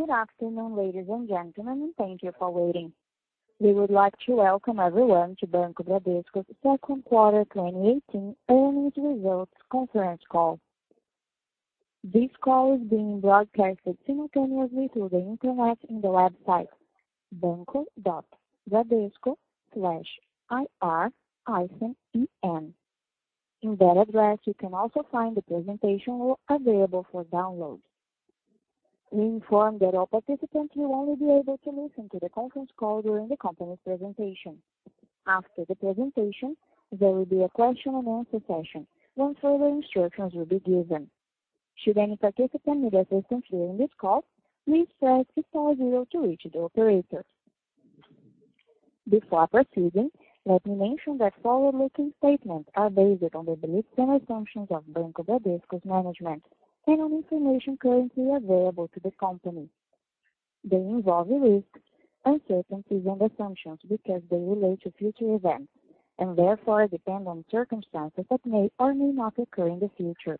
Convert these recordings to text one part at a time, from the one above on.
Good afternoon, ladies and gentlemen, and thank you for waiting. We would like to welcome everyone to Banco Bradesco's second quarter 2018 earnings results conference call. This call is being broadcasted simultaneously through the internet in the website banco.bradesco/ir-en. In that address, you can also find the presentation available for download. We inform that all participants will only be able to listen to the conference call during the company's presentation. After the presentation, there will be a question and answer session when further instructions will be given. Should any participant need assistance during this call, please press six star zero to reach the operator. Before proceeding, let me mention that forward-looking statements are based on the beliefs and assumptions of Banco Bradesco's management and on information currently available to the company. They involve risks, uncertainties, and assumptions because they relate to future events, and therefore depend on circumstances that may or may not occur in the future.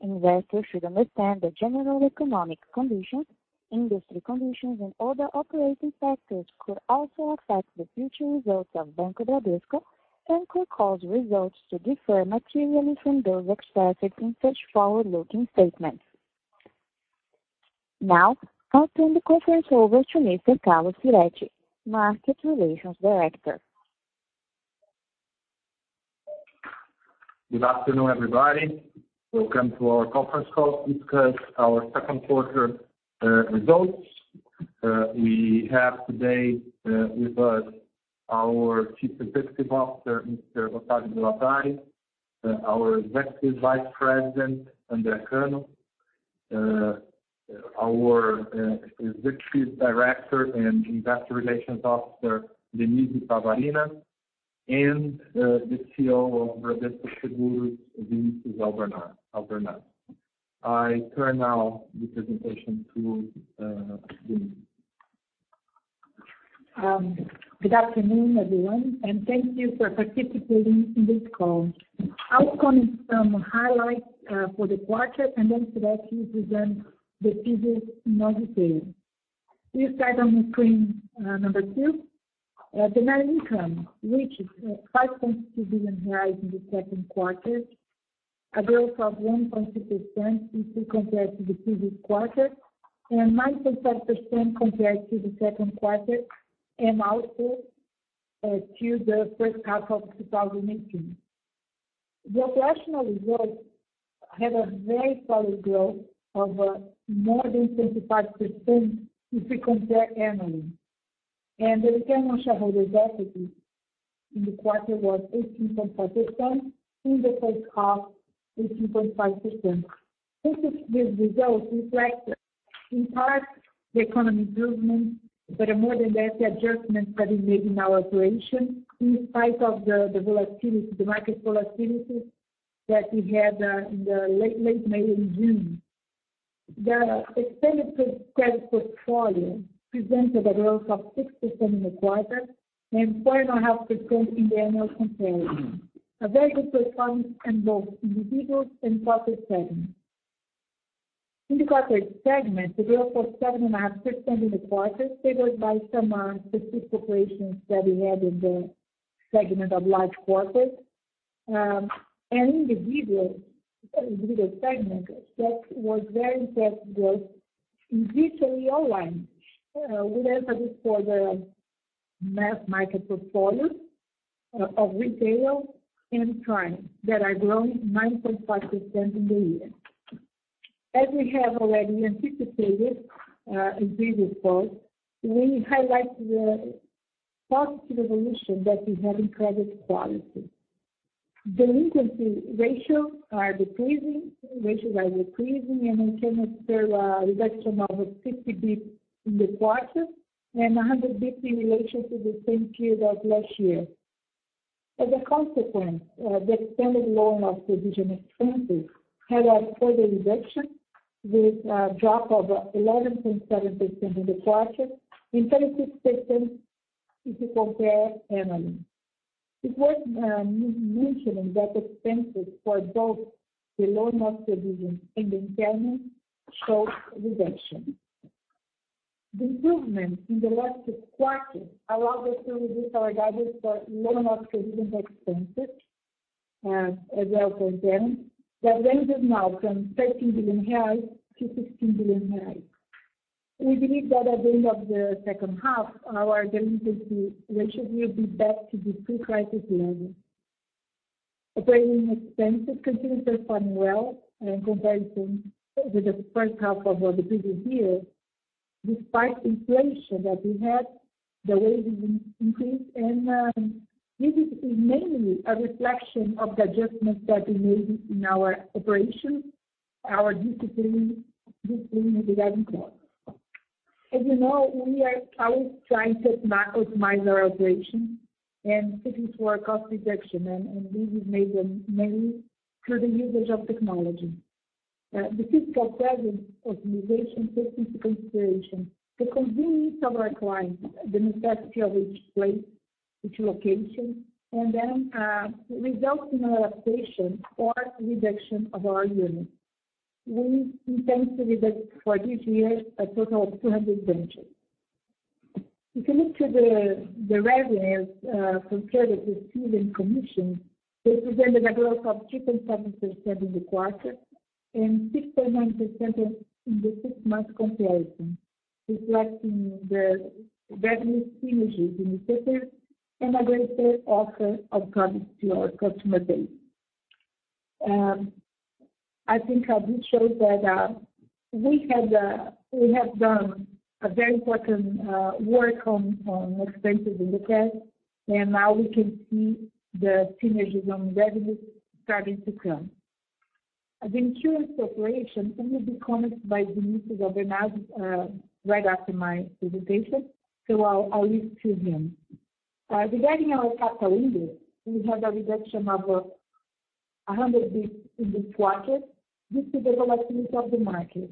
Investors should understand that general economic conditions, industry conditions, and other operating factors could also affect the future results of Banco Bradesco and could cause results to differ materially from those expressed in such forward-looking statements. Now I'll turn the conference over to Mr. Carlos Firetti, Market Relations Director. Good afternoon, everybody. Welcome to our conference call to discuss our second quarter results. We have today with us our Chief Executive Officer, Mr. Octavio de Lazari, our Executive Vice President, André Costa Carvalho, our Executive Director and Investor Relations Officer, Denise Pavarina, and the CEO of Bradesco Seguros, Vinicius Albernaz. I turn now the presentation to Denise. Good afternoon, everyone, and thank you for participating in this call. I'll comment some highlights for the quarter and then Firetti will present the figures in more detail. We start on screen number two. The net income reached 5.2 billion in the second quarter, a growth of 1.2% if we compare to the previous quarter, and 9.7% compared to the second quarter, and also to the first half of 2018. The operational results had a very solid growth of more than 25% if we compare annually. The return on shareholders' equity in the quarter was 18.4%, in the first half, 18.5%. This result reflects in part the economic movement, but more than that, the adjustments that we made in our operation in spite of the market volatility that we had in the late May and June. The extended credit portfolio presented a growth of 6% in the quarter and 4.5% in the annual comparison. A very good performance in both individual and corporate segments. In the corporate segment, the growth was 7.5% in the quarter, favored by some specific operations that we had in the segment of large corporates. Individual segment, what was very interesting was individually online. We refer this for the mass market portfolio of retail and current that are growing 9.5% in the year. As we have already anticipated in previous calls, we highlight the positive evolution that we have in credit quality. Delinquency ratios are decreasing, and in terms of the reduction of 50 basis points in the quarter and 100 basis points in relation to the same period of last year. A consequence, the extended loan loss provision expenses had a further reduction with a drop of 11.7% in the quarter, and 36% if you compare annually. It's worth mentioning that expenses for both the loan loss provisions and impairment showed a reduction. The improvements in the latter quarter allowed us to reduce our guidance for loan loss provisions expenses, as well for them, that ranges now from 13 billion reais to 16 billion reais. We believe that at the end of the second half, our delinquency ratio will be back to the pre-crisis level. Operating expenses continue to perform well in comparison with the first half of the previous year, despite inflation that we had, the wages increase, and this is mainly a reflection of the adjustments that we made in our operation, our discipline regarding costs. You know, we are always trying to optimize our operation and looking for cost reduction, and this is made mainly through the usage of technology. The physical presence optimization takes into consideration the convenience of our clients, the necessity of each place and then results in adaptation or reduction of our units. We intend to reduce for this year a total of 200 branches. If you look to the revenues compared with the fee and commission, they presented a growth of 3.7% in the quarter and 6.1% in the six months comparison, reflecting the revenue synergies in the sector and a greater offer of products to our customer base. I think I will show that we have done a very important work on expenses in the past, and now we can see the synergies on revenues starting to come. In insurance operation, it will be commented by Vinicius Almeida Albernaz right after my presentation. I'll leave to him. Regarding our capital index, we have a reduction of 100 basis points in this quarter due to the volatility of the market,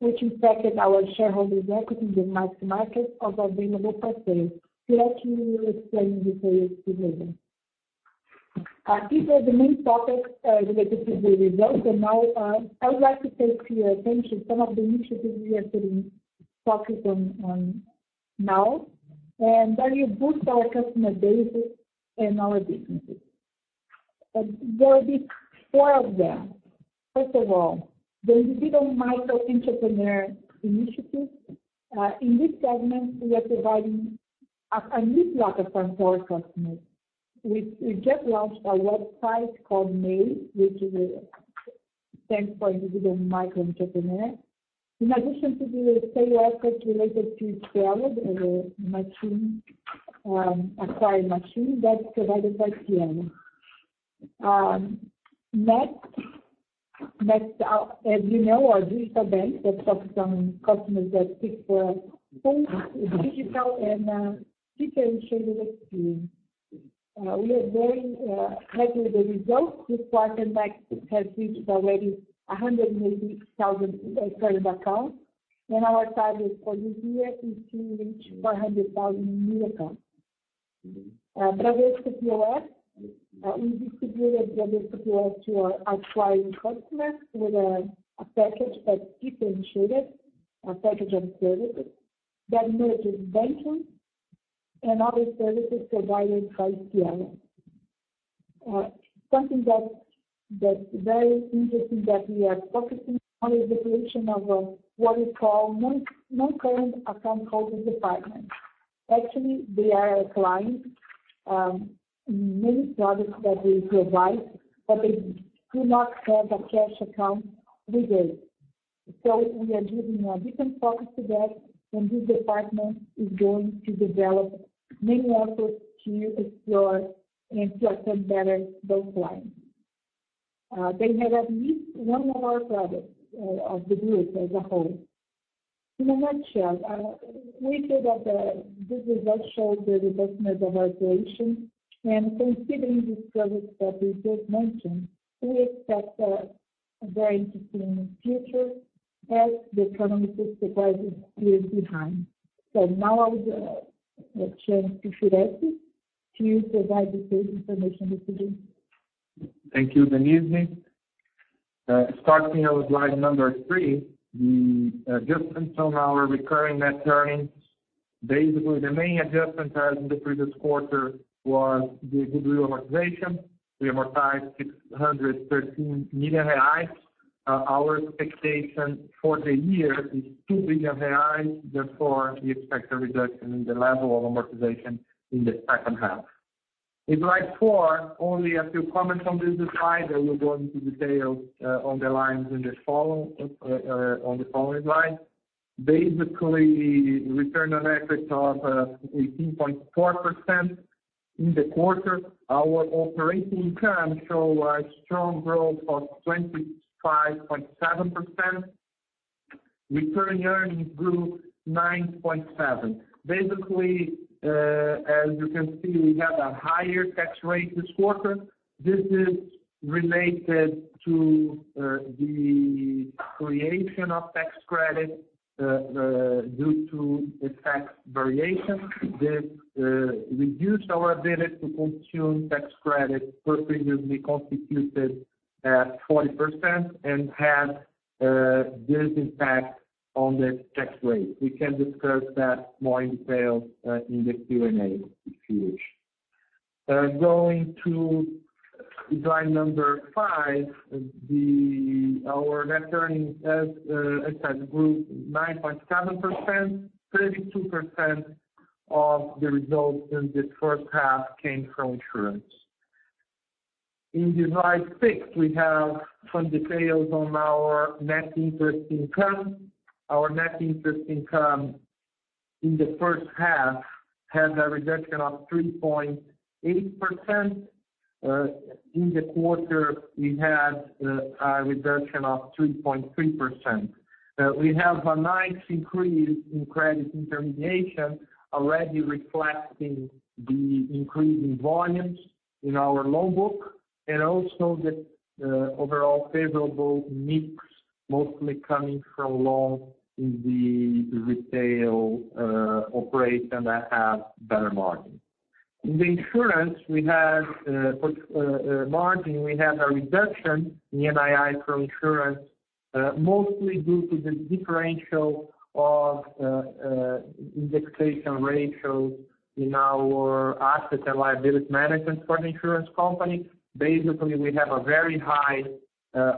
which impacted our shareholders' equity in the mark-to-market of our available for sale. We will explain the sales behavior. These are the main topics related to the results, now I would like to take your attention some of the initiatives we are putting focus on now, they will boost our customer bases and our businesses. There will be four of them. First of all, the Individual Micro Entrepreneur initiative. In this segment, we are providing a new product for our customers. We just launched a website called MEI, which stands for Individual Micro Entrepreneur. In addition to the sale offers related to its product or acquired machine that's provided by Cielo. Next, as you know, our digital bank that focus on customers that seek for full digital and differentiated experience. We are very happy with the results. This quarter Next has reached already 180,000 acquired accounts, and our target for this year is to reach 400,000 new accounts. Bradesco POS. We distributed Bradesco POS to our acquiring customers with a package that differentiated our package and services that merge invention and other services provided by Cielo. Something that's very interesting that we are focusing on is the creation of what we call non-current account holder department. Actually, they are our clients. Many products that we provide but they do not have a cash account with us. We are giving a different focus to that, and this department is going to develop many offers to explore and to attend better those clients. They have at least one of our products of the group as a whole. In a nutshell, we feel that the good results show the robustness of our operation. Considering these products that we just mentioned, we expect a very interesting future as the economic recovery is behind. Now I will give a chance to Firetti to provide the sales information this year. Thank you, Denise. Starting on slide number three, the adjustments on our recurring net earnings. Basically, the main adjustment as in the previous quarter was the goodwill amortization. We amortized 613 million reais. Our expectation for the year is 2 billion reais, therefore, we expect a reduction in the level of amortization in the second half. In slide four, only a few comments on this slide. I will go into detail on the lines on the following slide. Basically, return on equity of 18.4% in the quarter. Our operating income show a strong growth of 25.7%. Return earnings grew 9.7%. Basically, as you can see, we have a higher tax rate this quarter. This is related to the creation of tax credit due to the tax variation that reduced our ability to consume tax credit for previously constituted at 40% and had this impact on the tax rate. We can discuss that more in detail in the Q&A, if you wish. Going to slide number five, our net earnings, as I said, grew 9.7%, 32% of the results in the first half came from insurance. In slide six, we have some details on our net interest income. Our net interest income in the first half had a reduction of 3.8%. In the quarter, we had a reduction of 3.3%. We have a nice increase in credit intermediation, already reflecting the increase in volumes in our loan book. Also the overall favorable mix mostly coming from loans in the retail operation that have better margin. In the insurance margin, we have a reduction in NII for insurance, mostly due to the differential of indexation ratios in our assets and liability management for an insurance company. Basically, we have a very high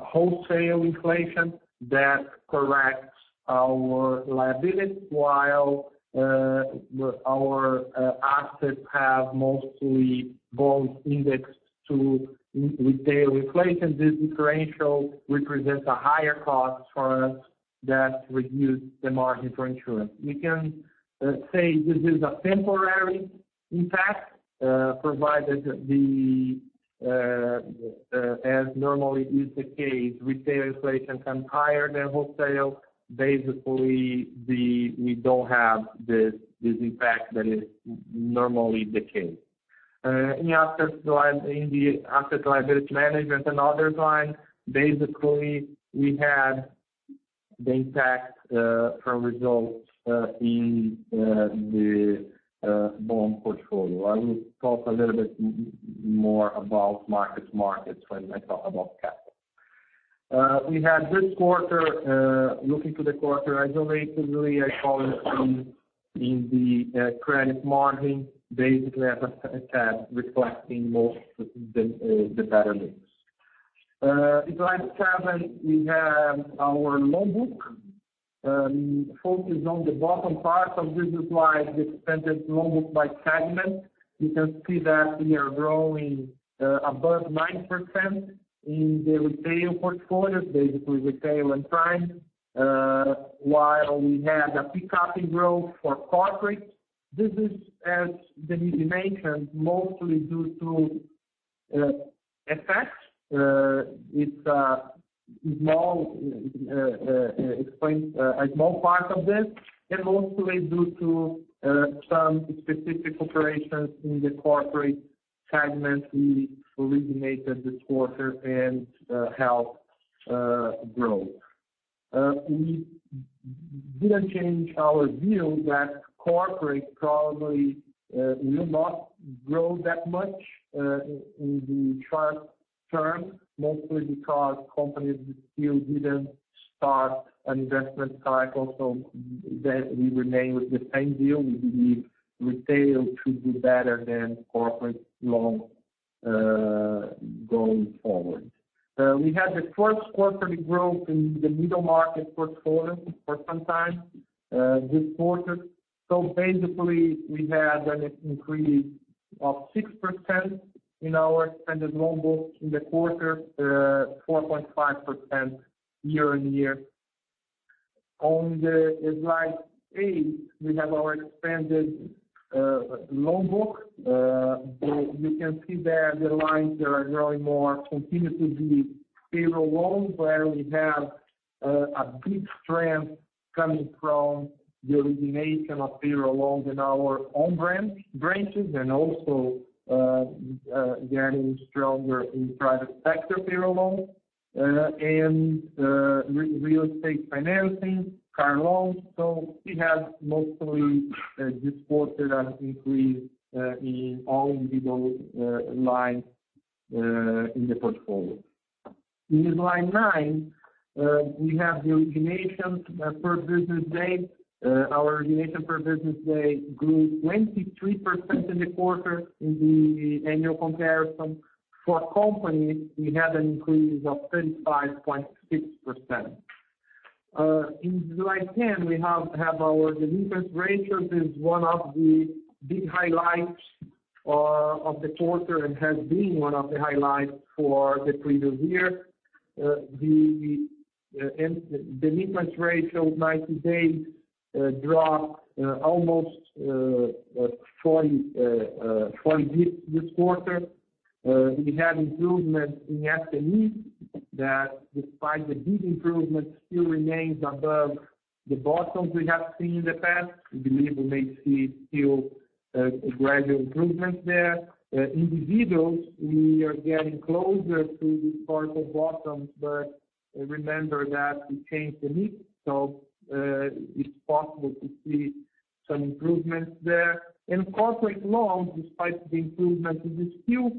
wholesale inflation that corrects our liabilities, while our assets have mostly bonds indexed to retail inflation. This differential represents a higher cost for us that reduced the margin for insurance. We can say this is a temporary impact, provided, as normally is the case, retail inflation comes higher than wholesale. Basically, we don't have this impact that is normally the case. In the asset liability management and others line, basically, we had the impact for results in the bond portfolio. I will talk a little bit more about markets when I talk about capital. We had this quarter, looking to the quarter isolatively, a volume in the credit margin, basically as a tab reflecting most of the better mix. In slide seven, we have our loan book. Focus on the bottom part of this slide, the extended loan book by segment. You can see that we are growing above 9% in the retail portfolios, basically retail and prime, while we have a pick-up in growth for corporate. This is, as Denise mentioned, mostly due to effects. It explains a small part of this, mostly due to some specific operations in the corporate segment we originated this quarter and helped growth. We didn't change our view that corporate probably will not grow that much in the short-term, mostly because companies still didn't start an investment cycle. We remain with the same view. We believe retail should do better than corporate loans going forward. We had the first quarterly growth in the middle market portfolio for some time this quarter. Basically, we had an increase of 6% in our extended loan book in the quarter, 4.5% year-on-year. On slide eight, we have our extended loan book. You can see there the lines there are growing more continuously. Payroll loans, where we have a big strength coming from the origination of payroll loans in our own branches, and also getting stronger in private sector payroll loans. Real estate financing, car loans. We have mostly this quarter an increase in all middle lines in the portfolio. In slide nine, we have the origination per business day. Our origination per business day grew 23% in the quarter in the annual comparison. For companies, we had an increase of 35.6%. In slide 10, we have our delinquencies ratios. It's one of the big highlights of the quarter and has been one of the highlights for the previous year. The delinquencies ratio of 90 days dropped almost 40 basis points this quarter. We had improvement in SMEs that, despite the big improvement, still remains above the bottoms we have seen in the past. We believe we may see still a gradual improvement there. Individuals, we are getting closer to this part of bottoms, remember that we changed the mix, so it's possible to see some improvements there. In corporate loans, despite the improvement, it is still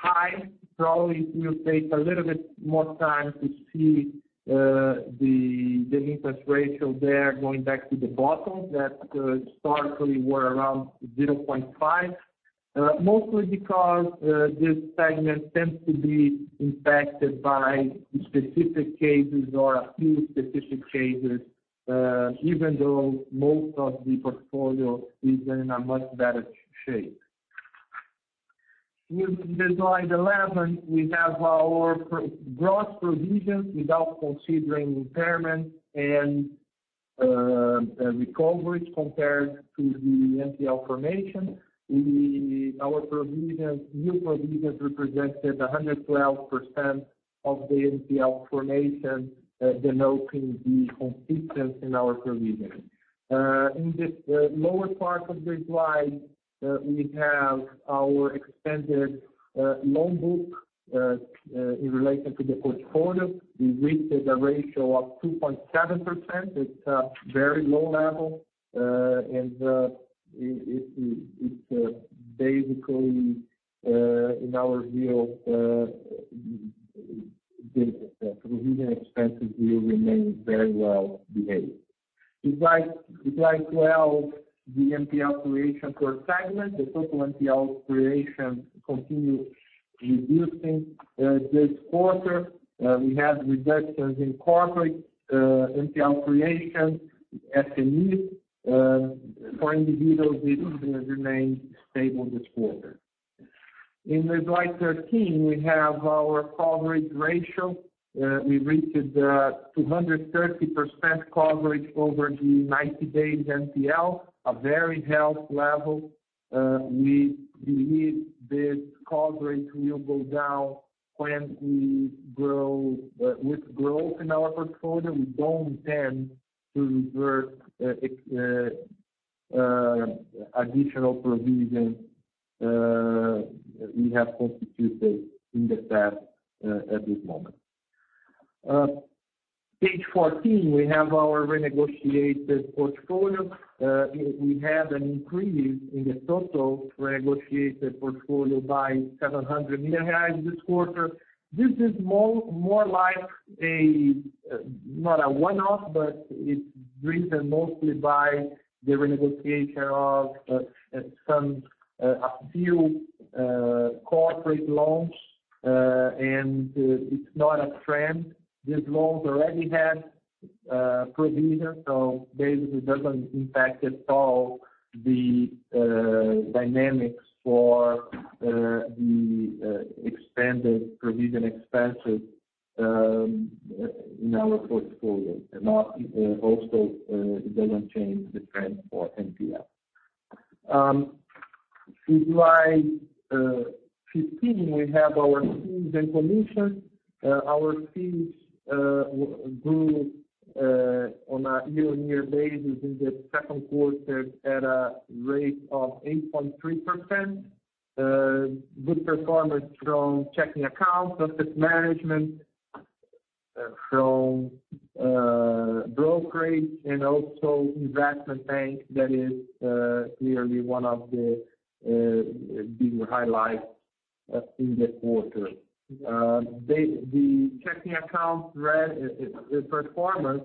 high. Probably it will take a little bit more time to see the delinquencies ratio there going back to the bottom that historically were around 0.5%, mostly because this segment tends to be impacted by specific cases or a few specific cases, even though most of the portfolio is in a much better shape. In slide 11, we have our gross provisions without considering impairment and the recovery compared to the NPL formation. Our new provisions represented 112% of the NPL formation, denoting the consistency in our provisioning. In this lower part of this slide, we have our extended loan book in relation to the portfolio. We reached a ratio of 2.7%. It's a very low level, and it's basically in our view, the provision expenses will remain very well behaved. In slide 12, the NPL creation per segment. The total NPL creation continued reducing this quarter. We had reductions in corporate NPL creation, SMEs. For individuals, it remains stable this quarter. In slide 13, we have our coverage ratio. We reached 230% coverage over the 90-day NPL, a very healthy level. We believe this coverage will go down when we grow. With growth in our portfolio, we don't tend to revert additional provisions we have constituted in the past at this moment. Page 14, we have our renegotiated portfolio. We had an increase in the total renegotiated portfolio by 700 million reais this quarter. This is more like a, not a one-off, but it's driven mostly by the renegotiation of a few corporate loans. It's not a trend. These loans already had provisions, so basically it doesn't impact at all the dynamics for the extended provision expenses in our portfolio. It doesn't change the trend for NPL. Slide 15, we have our fees and commissions. Our fees grew on a year-on-year basis in the second quarter at a rate of 8.3%. Good performance from checking accounts, asset management from brokerage, and also investment bank that is clearly one of the big highlights in the quarter. The checking accounts performance,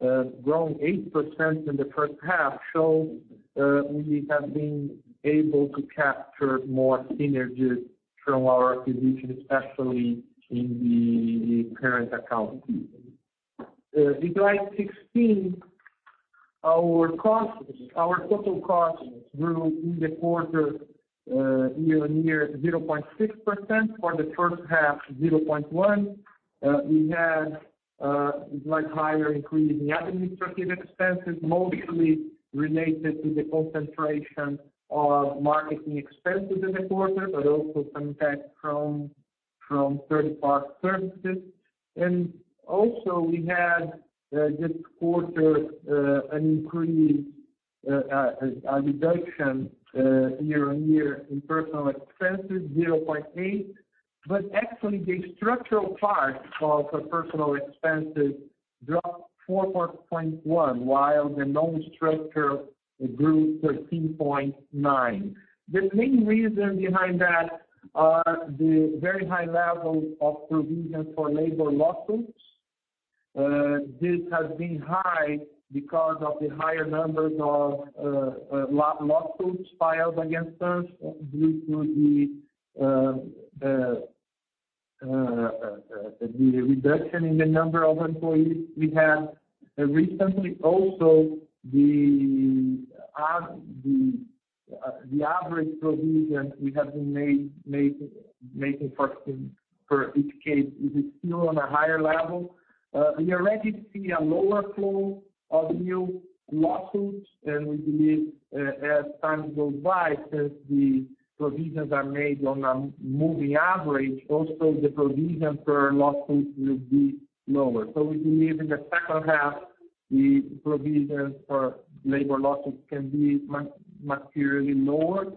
growing 8% in the first half, shows we have been able to capture more synergies from our acquisition, especially in the current account fees. In slide 16, our total costs grew in the quarter year-on-year to 0.6%, for the first half, 0.1%. We had much higher increase in the administrative expenses, mostly related to the concentration of marketing expenses in the quarter, but also some impact from third-party services. We had this quarter an increase, a reduction year-on-year in personal expenses, 0.8%. The structural part of personal expenses dropped 4.1%, while the non-structural grew 13.9%. The main reason behind that are the very high level of provisions for labor lawsuits. This has been high because of the higher numbers of lawsuits filed against us due to the reduction in the number of employees we had. Recently also, the average provision we have been making for each case is still on a higher level. We already see a lower flow of new lawsuits, and we believe as time goes by, since the provisions are made on a moving average, also the provision per lawsuit will be lower. We believe in the second half, the provisions for labor lawsuits can be materially lower,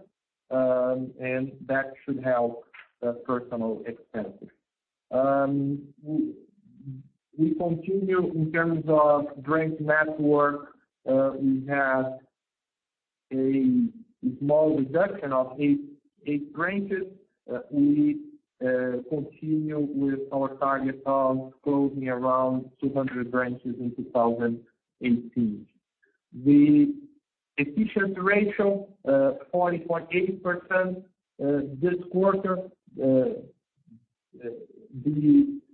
and that should help personal expenses. We continue in terms of branch network, we have a small reduction of eight branches. We continue with our target of closing around 200 branches in 2018. The efficiency ratio, 40.8% this quarter.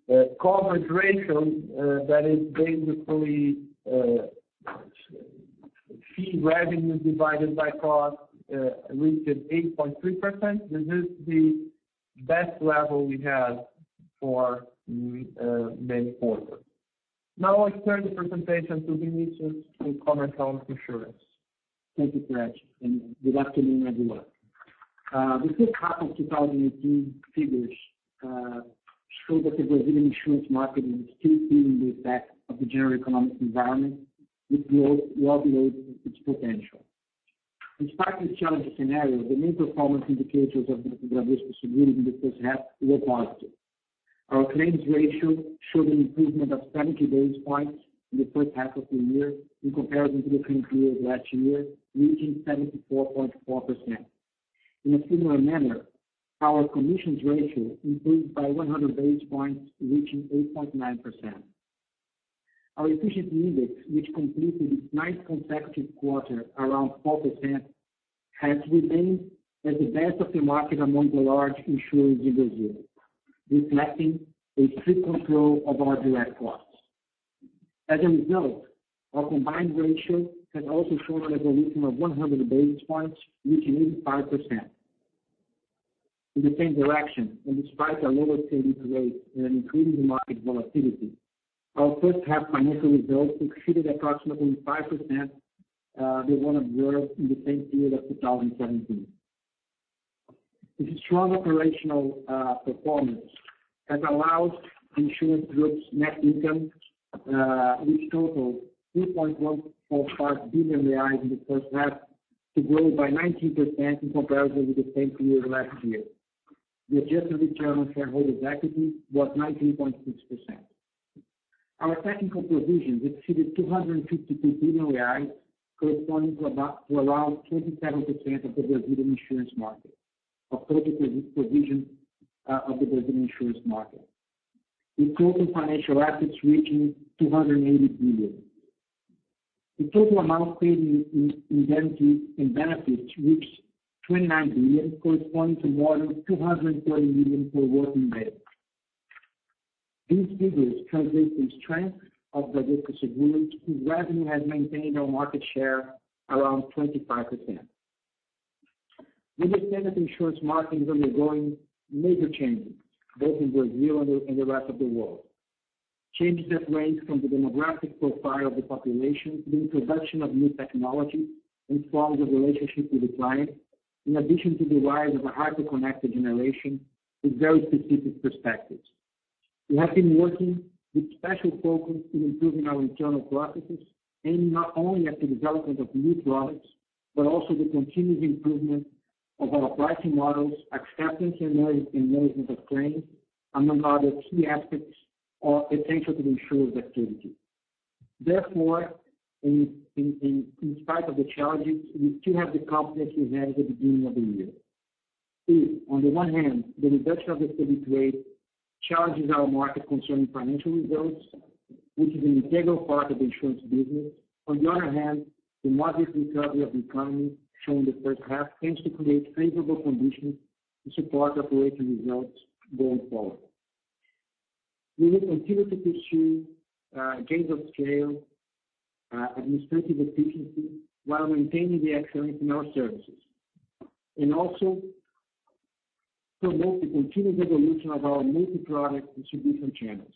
The coverage ratio, that is basically fee revenue divided by cost, reached 8.3%. This is the best level we had for many quarters. I turn the presentation to Vinicius from Bradesco Seguros. Thank you, Carlos. Good afternoon, everyone. The first half of 2018 figures show that the Brazilian insurance market is still feeling the effect of the general economic environment, with growth well below its potential. Despite this challenging scenario, the main performance indicators of Bradesco Seguros in the first half were positive. Our claims ratio showed an improvement of 70 basis points in the first half of the year in comparison to the same period last year, reaching 74.4%. In a similar manner, our commissions ratio improved by 100 basis points, reaching 8.9%. Our efficiency index, which completed its ninth consecutive quarter around 4%, has remained as the best of the market among the large insurers in Brazil, reflecting a strict control of our direct costs. As a result, our combined ratio has also shown an evolution of 100 basis points, reaching 85%. In the same direction, despite a lower Selic rate and an increasing market volatility, our first half financial results exceeded approximately 5% than one observed in the same period of 2017. This strong operational performance has allowed the insurance group's net income, which totaled 2.145 billion reais in the first half, to grow by 19% in comparison with the same period last year. The adjusted return on shareholders' equity was 19.6%. Our technical provisions exceeded 252 billion reais, corresponding to around 27% of the Brazilian insurance market, of total provisions of the Brazilian insurance market, with total financial assets reaching 280 billion. The total amount paid in benefits reached 29 billion, corresponding to more than 230 million for working days. These figures translate the strength of Bradesco Seguros, whose revenue has maintained our market share around 25%. We understand that insurance markets undergoing major changes, both in Brazil and the rest of the world. Changes that range from the demographic profile of the population to the introduction of new technology and forms of relationship with the client, in addition to the rise of a hyper-connected generation with very specific perspectives. We have been working with special focus in improving our internal processes, aiming not only at the development of new products, but also the continuous improvement of our pricing models, acceptance and management of claims, among other key aspects of essential to the insurer's activity. Therefore, in spite of the challenges, we still have the confidence we had at the beginning of the year. If on the one hand, the reduction of the Selic rate challenges our market concerning financial results, which is an integral part of the insurance business. On the other hand, the modest recovery of the economy shown in the first half tends to create favorable conditions to support operating results going forward. We will continue to pursue gains of scale, administrative efficiency, while maintaining the excellence in our services, also promote the continued evolution of our multi-product distribution channels.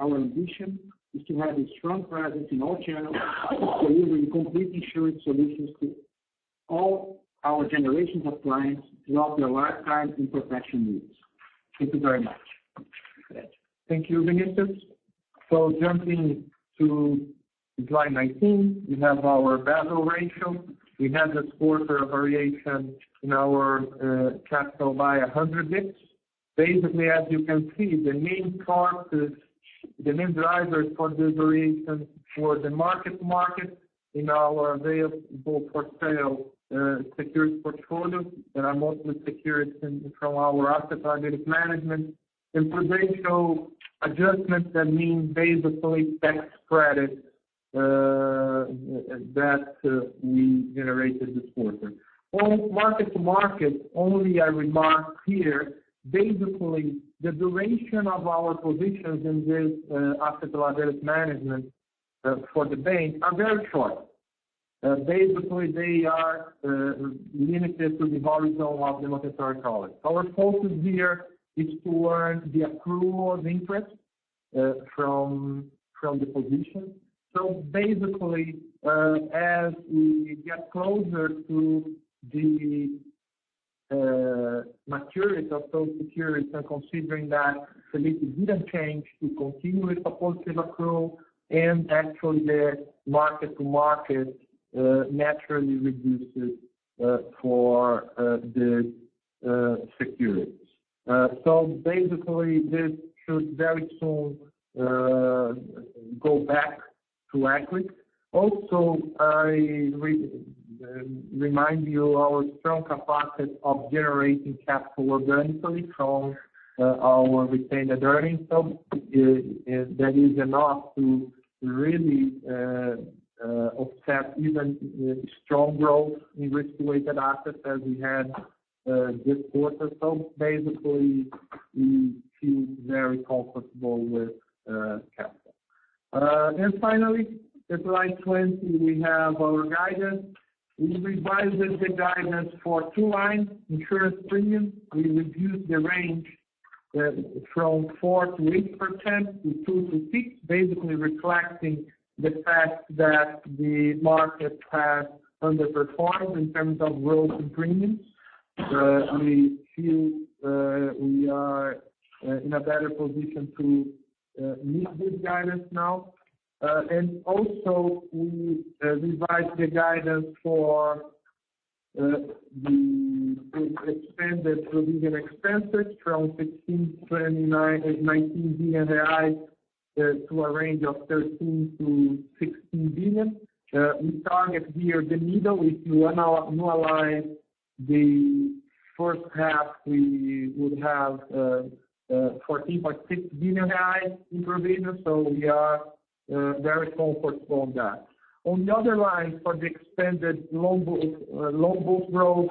Our ambition is to have a strong presence in all channels, delivering complete insurance solutions to all our generations of clients throughout their lifetime and protection needs. Thank you very much. Thank you, Vinicius. Jumping to slide 19, we have our Basel ratio. We had a quarter variation in our capital by 100 basis points. As you can see, the main drivers for the variation were the mark-to-market in our available for sale securities portfolio that are mostly securities from our active target management and prudential adjustments that mean tax credit that we generated this quarter. On mark-to-market, only I remark here, the duration of our positions in this active target management for the bank are very short. They are limited to the horizon of the monetary policy. Our focus here is towards the accrual of interest from the position. As we get closer to the maturity of those securities, and considering that Selic didn't change, we continue with a positive accrual and the mark-to-market naturally reduces for the securities. This should very soon go back to equity. I remind you our strong capacity of generating capital organically from our retained earnings. That is enough to offset even strong growth in risk-weighted assets as we had this quarter. We feel very comfortable with capital. Finally, in slide 20, we have our guidance. We revised the guidance for two lines. Insurance premium, we reduced the range from 4%-8% to 2%-6%, reflecting the fact that the market has underperformed in terms of growth and premiums. We feel we are in a better position to meet this guidance now. We revised the guidance for the expanded provision expenses from 16 billion-19 billion to a range of 13 billion-16 billion. We target here the middle. If you annualize the first half, we would have 14.6 billion in provisions, we are very comfortable on that. On the other line, for the extended loan book growth,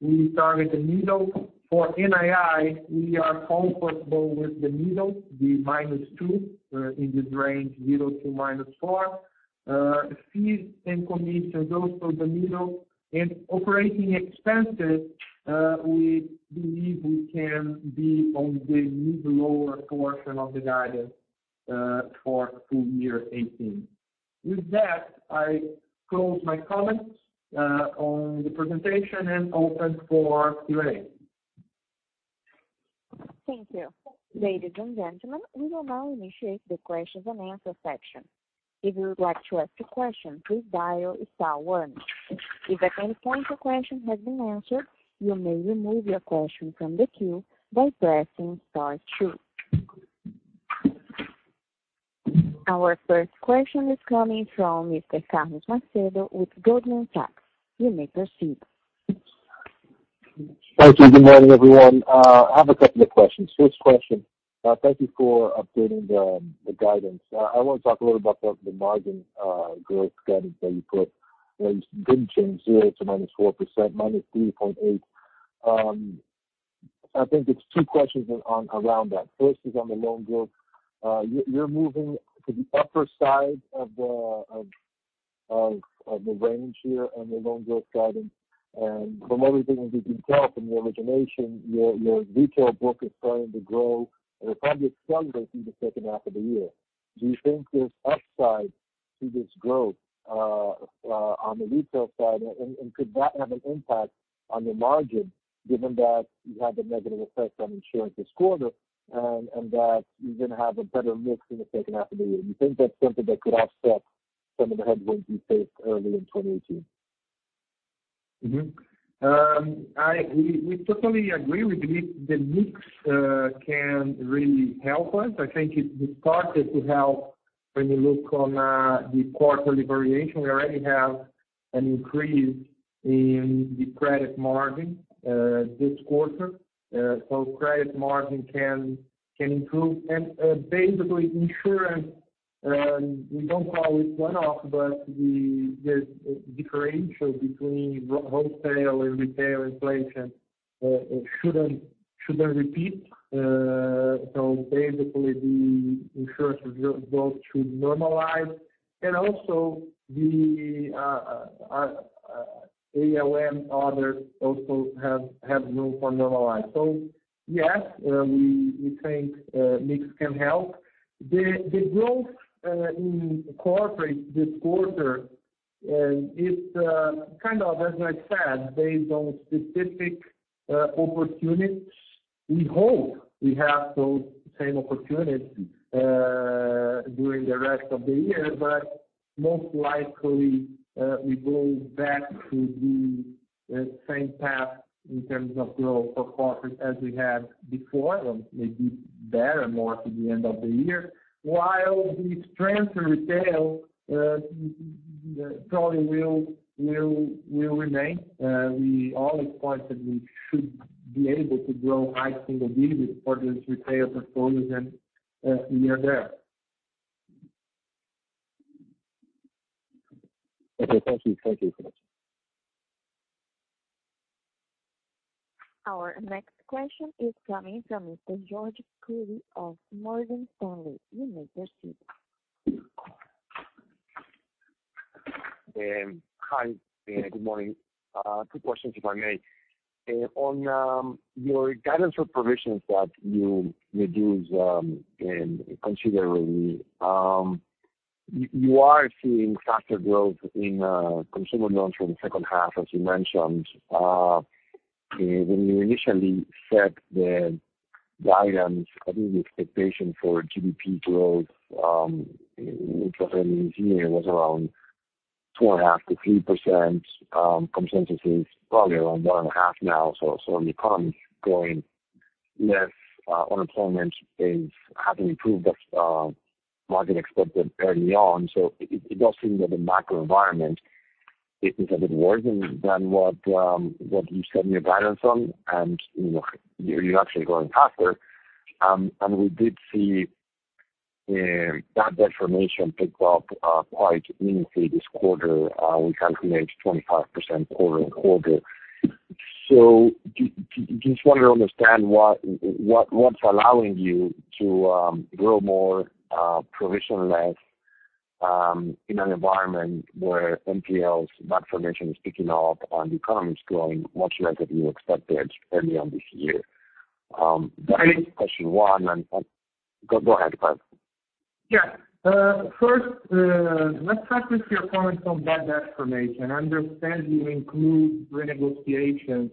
we target the middle. For NII, we are comfortable with the middle, the -2% in this range, 0% to -4%. Fees and commissions the middle, operating expenses, we believe we can be on the mid-lower portion of the guidance for full year 2018. With that, I close my comments on the presentation and open for Q&A. Thank you. Ladies and gentlemen, we will now initiate the questions and answer section. If you would like to ask a question, please dial star one. If at any point a question has been answered, you may remove your question from the queue by pressing star two. Our first question is coming from Mr. Carlos Macedo with Goldman Sachs. You may proceed. Thank you. Good morning, everyone. I have a couple of questions. First question, thank you for updating the guidance. I want to talk a little about the margin growth guidance that you put, where you didn't change 0% to -4%, -3.8%. I think it's two questions around that. First is on the loan growth. You're moving to the upper side of the range here on the loan growth guidance and from everything that you've detailed from the origination, your retail book is starting to grow at a probably stronger pace in the second half of the year. Do you think there's upside to this growth on the retail side and could that have an impact on your margin, given that you had a negative effect on insurance this quarter and that you're going to have a better mix in the second half of the year? Do you think that's something that could offset some of the headwinds you faced earlier in 2018? We totally agree. We believe the mix can really help us. I think it started to help when you look on the quarterly variation. We already have an increase in the credit margin this quarter. Credit margin can improve. Basically insurance, we don't call it one-off, but the differential between wholesale and retail inflation shouldn't repeat. Basically the insurance growth should normalize and also the ALM, others also have room for normalize. Yes, we think mix can help. The growth in corporate this quarter, it's kind of, as I said, based on specific opportunities. We hope we have those same opportunities during the rest of the year, but most likely we go back to the same path in terms of growth for corporate as we had before, and maybe better, more to the end of the year. While the strength in retail probably will remain. We always thought that we should be able to grow high single digits for this retail performance and we are there. Okay, thank you. Thank you for that. Our next question is coming from Mr. Jorge Kuri of Morgan Stanley. You may proceed. Hi, good morning. Two questions, if I may. On your guidance for provisions that you reduced considerably. You are seeing faster growth in consumer loans for the second half, as you mentioned. When you initially set the guidance, I think the expectation for GDP growth in the beginning of the year was around 2.5%-3%. Consensus is probably around 1.5% now, so the economy is growing less. Unemployment is having improved but market expected early on, so it does seem that the macro environment is a bit worse than what you set your guidance on, and you're actually growing faster. We did see bad debt formation tick up quite meaningfully this quarter. We calculate 25% quarter on quarter. Just want to understand what's allowing you to grow more provision less in an environment where NPLs, bad formation is picking up and the economy is growing much less than you expected early on this year. That is question one. Go ahead, sorry. First, let's start with your comment on bad debt formation. I understand you include renegotiation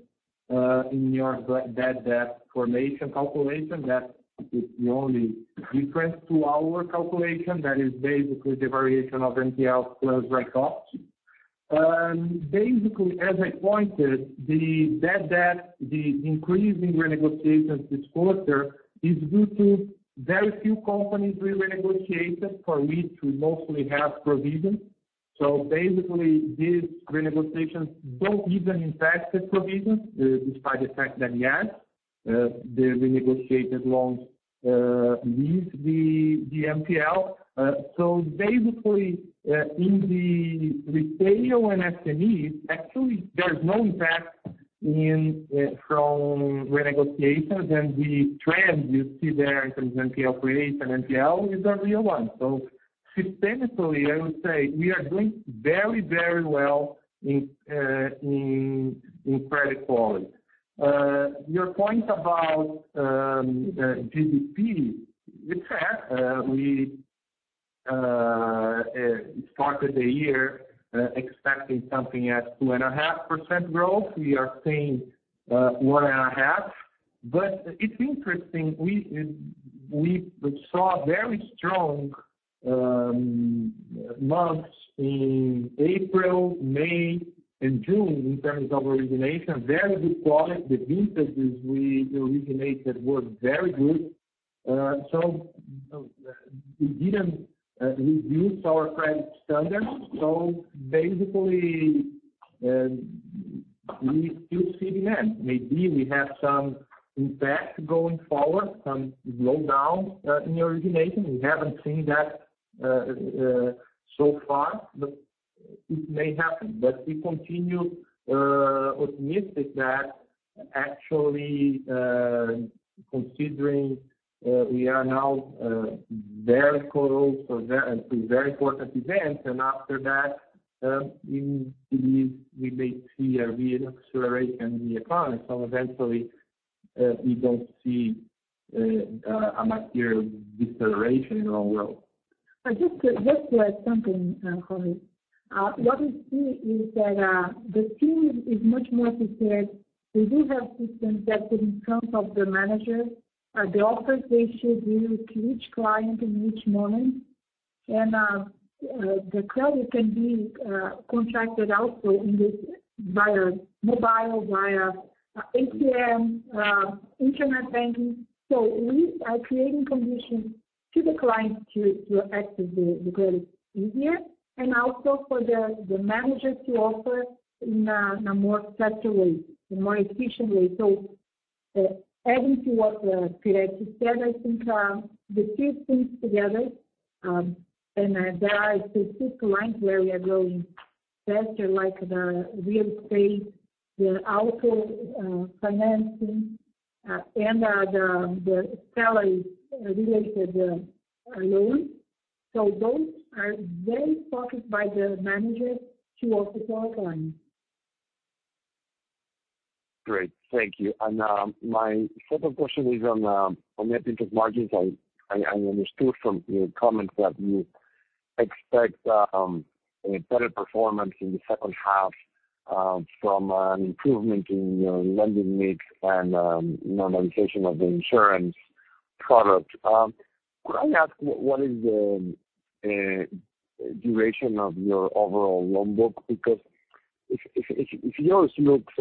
in your bad debt formation calculation. That is the only difference to our calculation. That is basically the variation of NPL plus write-offs. As I pointed, the bad debt, the increase in renegotiations this quarter is due to very few companies we renegotiated for which we mostly have provisions. These renegotiations don't even impact the provisions, despite the fact that, yes, the renegotiated loans leave the NPL. In the retail and SMEs, actually, there's no impact from renegotiations and the trend you see there in terms of NPL creation, NPL is a real one. Systematically, I would say, we are doing very well in credit quality. Your point about GDP, it's fair. We started the year expecting something at 2.5% growth. We are seeing 1.5%, but it's interesting. We saw very strong months in April, May, and June in terms of origination, very good quality. The businesses we originated were very good. We didn't reduce our credit standards. Basically, we still see demand. Maybe we have some impact going forward, some slowdown in the origination. We haven't seen that so far, but it may happen. We continue optimistic that actually, considering we are now very close to a very important event, and after that, we believe we may see a real acceleration in the economy. Eventually, we don't see a material deterioration in our world. Just to add something, Jorge. What we see is that the team is much more prepared. We do have systems that put in front of the manager the offers they should do to each client in each moment. The credit can be contracted out via mobile, via ATM, internet banking. We are creating conditions to the client to access the credit easier, and also for the manager to offer in a more faster way, in more efficient way. Adding to what Firetti said, I think the two things together, and there are specific lines where we are growing faster, like the real estate, the auto financing, and the salaries related loans. Those are very focused by the manager to offer to our clients. Great. Thank you. My second question is on net interest margins. I understood from your comments that you expect a better performance in the second half from an improvement in your lending mix and normalization of the insurance product. Could I ask what is the duration of your overall loan book? Because if yours looks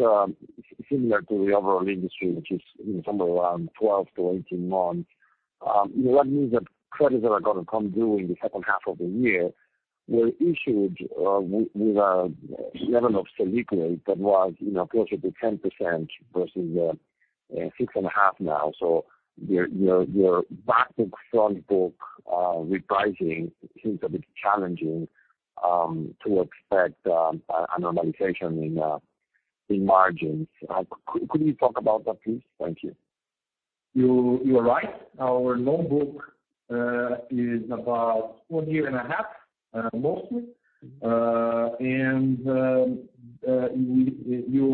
similar to the overall industry, which is somewhere around 12-18 months, that means that credits that are going to come due in the second half of the year were issued with a level of Selic rate that was closer to 10% versus the 6.5% now. Your back book, front book repricing seems a bit challenging to expect a normalization in margins. Could you talk about that, please? Thank you. You are right. Our loan book is about one year and a half, mostly. You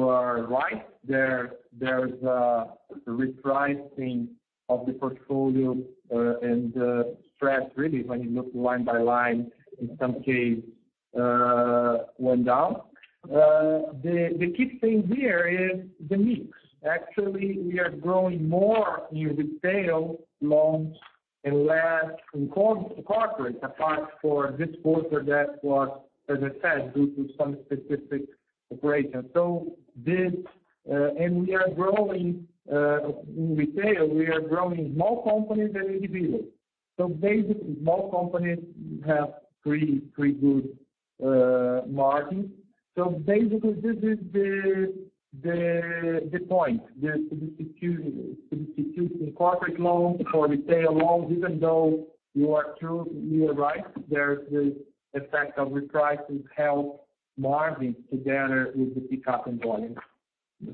are right, there is a repricing of the portfolio and the spread really when you look line by line, in some case, went down. The key thing here is the mix. Actually, we are growing more in retail loans and less in corporate, apart for this quarter that was, as I said, due to some specific operations. We are growing in retail, we are growing more companies than individuals. Basically, more companies have pretty good margins. Basically, this is the point. The substituting corporate loans for retail loans, even though you are right, there's this effect of repricing help margins together with the pickup in volume.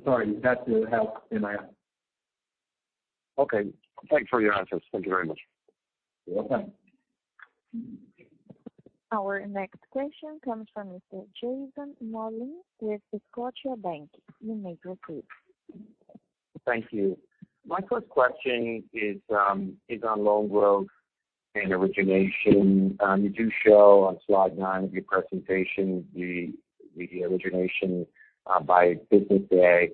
Sorry, that will help, NII. Okay. Thanks for your answers. Thank you very much. You're welcome. Our next question comes from Mr. Jason Mollin with Scotiabank. You may proceed. Thank you. My first question is on loan growth and origination. You do show on slide nine of your presentation the origination by business day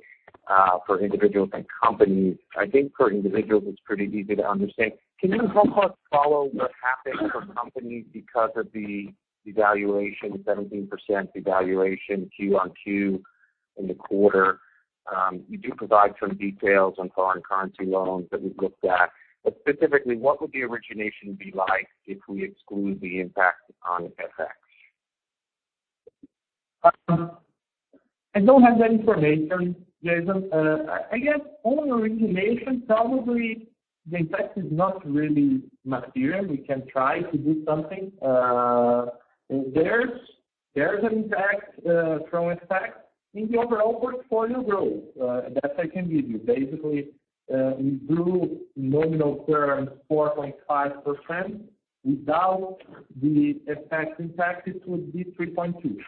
for individuals and companies. I think for individuals, it's pretty easy to understand. Can you help us follow what happened for companies because of the 17% devaluation Q on Q in the quarter? You do provide some details on foreign currency loans that we've looked at, but specifically, what would the origination be like if we exclude the impact on FX? I don't have that information, Jason. I guess on origination, probably the impact is not really material. We can try to do something. There's an impact from FX in the overall portfolio growth. That I can give you. Basically, we do nominal terms 4.5%. Without the FX impact, it would be 3.2%.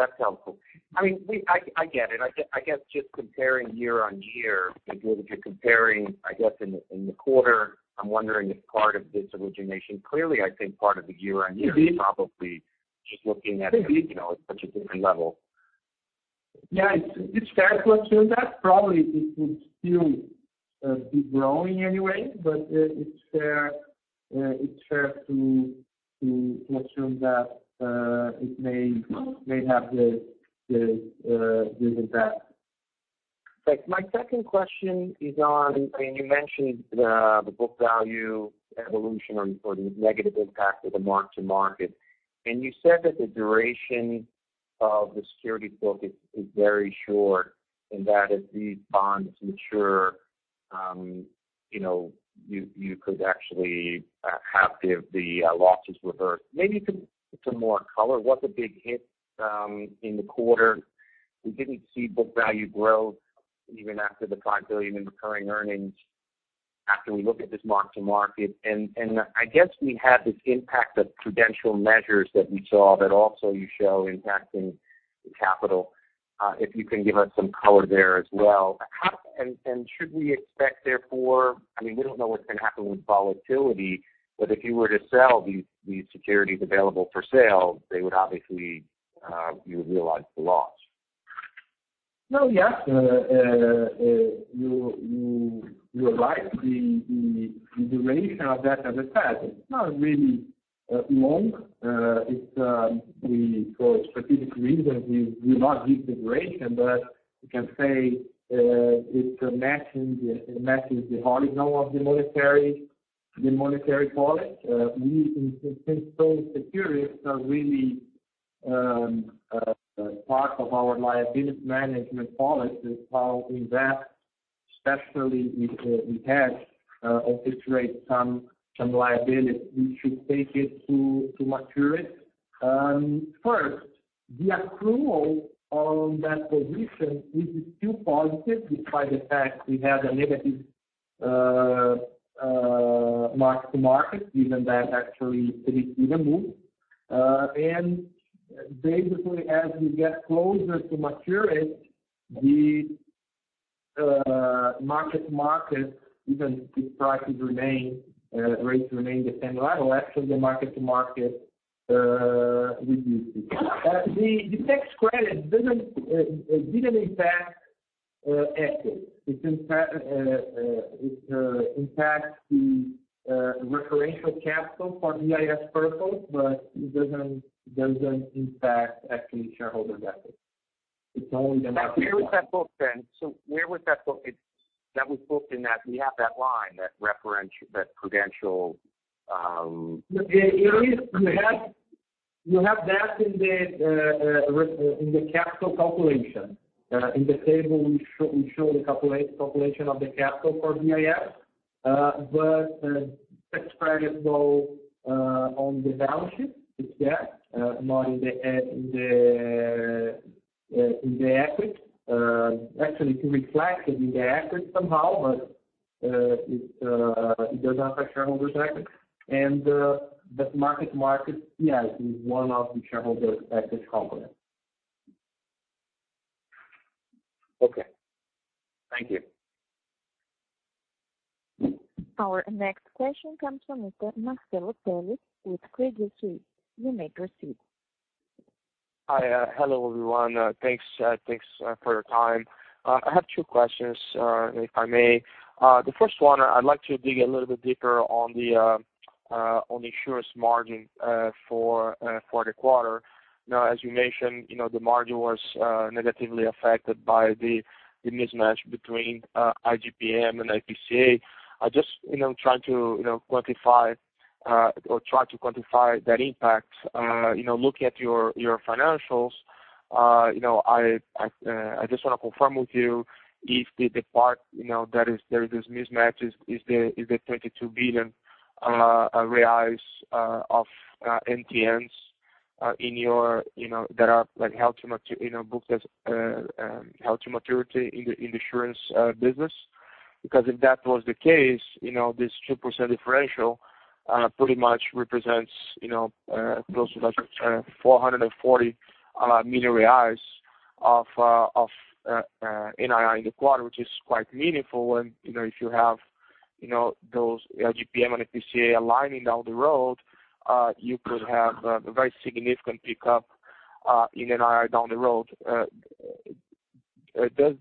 That's helpful. I get it. I guess just comparing year-on-year, if you're comparing, I guess, in the quarter, I'm wondering if part of this origination. Clearly, I think part of the year-on-year- is probably just looking at such a different level. Yeah. It's fair to assume that probably it would still be growing anyway, but it's fair to assume that it may have this impact. Thanks. My second question is on, you mentioned the book value evolution or the negative impact of the mark-to-market. You said that the duration of the security book is very short and that as these bonds mature you could actually have the losses reversed. Maybe some more color. What's a big hit in the quarter? We didn't see book value growth even after the 5 billion in recurring earnings after we look at this mark-to-market. I guess we had this impact of prudential measures that we saw that also you show impacting the capital. If you can give us some color there as well. Should we expect, therefore, we don't know what's going to happen with volatility, but if you were to sell these securities available for sale, they would obviously, you would realize the loss. No, yes. You realize the duration of that, as I said, it's not really long. For specific reasons, we will not give the duration, but we can say it matches the horizon of the monetary policy. We think those securities are really part of our liabilities management policy, how we invest, especially if it has [offset] some liability, we should take it to maturity. First, the accrual on that position is still positive despite the fact we had a negative mark-to-market given that actually pretty recent move. Basically, as we get closer to maturity, the mark-to-market, even if prices remain, rates remain the same level, actually the mark-to-market reduces. The tax credit didn't impact equity. It impacts the regulatory capital for BIS purpose, but it doesn't impact actually shareholder equity. It's only- Where was that booked then? That was booked in that, we have that line, that prudential You have that in the capital calculation. In the table we show the calculation of the capital for BIS. Tax credits go on the balance sheet, it's there, not in the equity. Actually, it reflects it in the equity somehow, but it does not affect shareholders equity. That mark-to-market, yes, is one of the shareholder equity components. Okay. Thank you. Our next question comes from Mr. Marcelo Telles with Credit Suisse. You may proceed. Hi. Hello, everyone. Thanks for your time. I have two questions, if I may. The first one, I'd like to dig a little bit deeper on the insurance margin for the quarter. Now, as you mentioned, the margin was negatively affected by the mismatch between IGPM and IPCA. I just try to quantify that impact. Looking at your financials, I just want to confirm with you if the part, there is this mismatch is the 22 billion of NTNs in your books as held to maturity in the insurance business? Because if that was the case, this 2% differential pretty much represents close to that 440 million of NII in the quarter, which is quite meaningful. If you have those IGPM and IPCA aligning down the road, you could have a very significant pickup in NII down the road. Do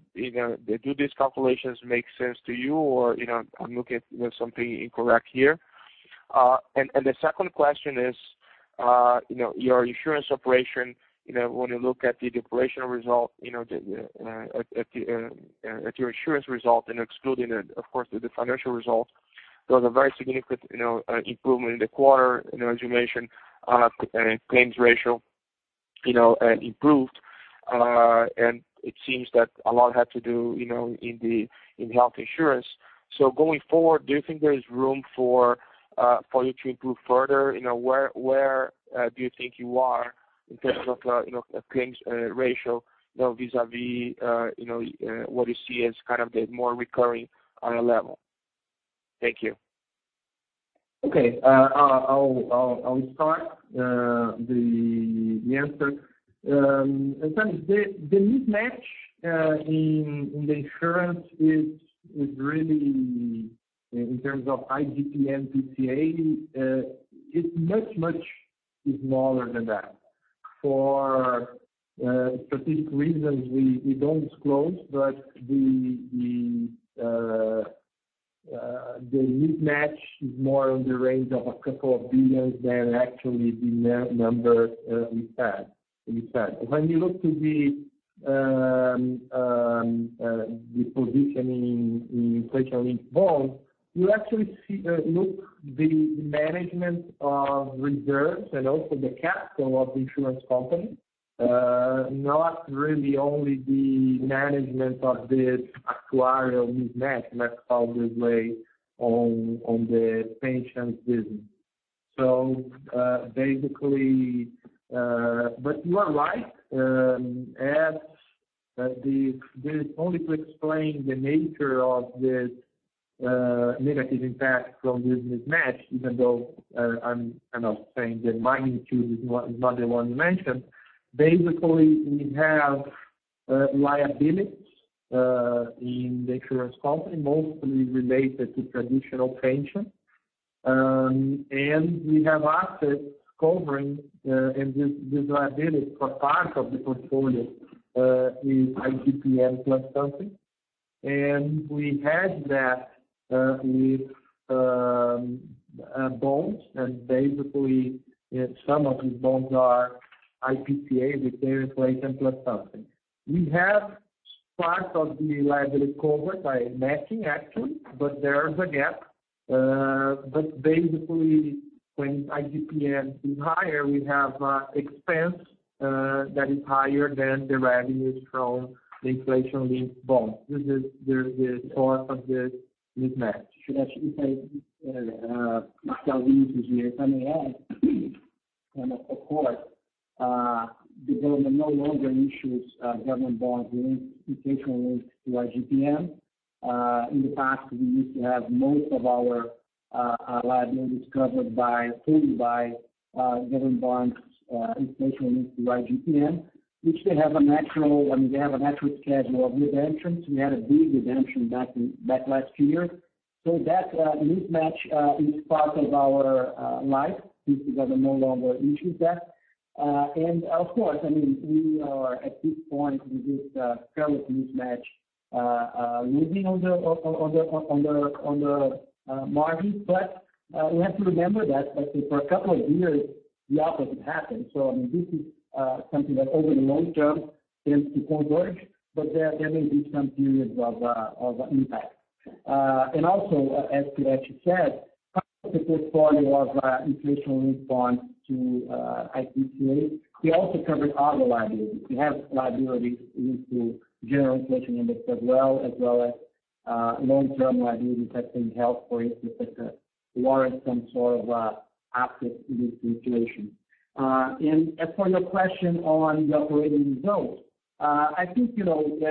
these calculations make sense to you, or I'm looking at something incorrect here? The second question is, your insurance operation, when you look at the operational result, at your insurance result and excluding, of course, the financial result, there was a very significant improvement in the quarter. As you mentioned, claims ratio improved, and it seems that a lot had to do in the health insurance. Going forward, do you think there is room for you to improve further? Where do you think you are in terms of claims ratio vis-a-vis what you see as the more recurring level? Thank you. Okay. I'll start the answer. The mismatch in the insurance is really in terms of IGPM IPCA, it's much, much smaller than that. For specific reasons, we don't disclose, but the mismatch is more in the range of a couple of billions than actually the number we had. When you look to the position in inflation-linked bonds, you actually look the management of reserves and also the capital of the insurance company, not really only the management of this actuarial mismatch that's obviously on the pension business. You are right, as this is only to explain the nature of this negative impact from this mismatch, even though I'm kind of saying the magnitude is not the one you mentioned. Basically, we have liabilities in the insurance company, mostly related to traditional pension. We have assets covering, and this liability for part of the portfolio is IGPM plus something. We had that with bonds, and basically, some of these bonds are IPCA with their inflation plus something. We have part of the liability covered by matching actually, but there is a gap. Basically, when IGPM is higher, we have expense that is higher than the revenues from the inflation-linked bonds. This is the source of this mismatch. Should I say, Marcelo Ruiz is here. If I may add, of course, the government no longer issues government bonds linked inflation-linked to IGPM. In the past, we used to have most of our liabilities covered by, paid by government bonds inflation-linked to IGPM, which they have a natural schedule of redemptions. We had a big redemption back last year. That mismatch is part of our life since the government no longer issues that. Of course, at this point with this current mismatch weighing on the margin. We have to remember that, I think for a couple of years, the opposite happened. This is something that over the long term tends to converge, but there may be some periods of impact. Also, as Pedro said, part of the portfolio of inflation-linked bonds to IPCA, we also cover other liabilities. We have liabilities linked to general inflation index as well, as well as long-term liabilities that in health or infrastructure warrant some sort of asset in this situation. As for your question on the operating results, I think that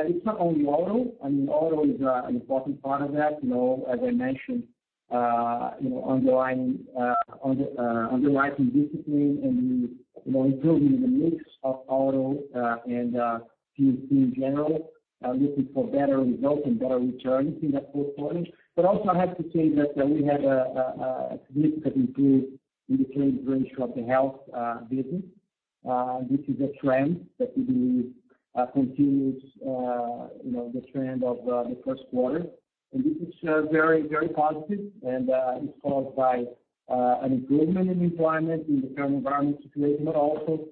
it's not only auto. Auto is an important part of that. As I mentioned, underwriting discipline and improving the mix of auto and P&C in general, looking for better results and better returns in that portfolio. Also, I have to say that we had a significant improvement in the claims ratio of the health business. This is a trend that we believe continues the trend of the first quarter, and this is very positive, and it's caused by an improvement in employment in the current environment situation, but also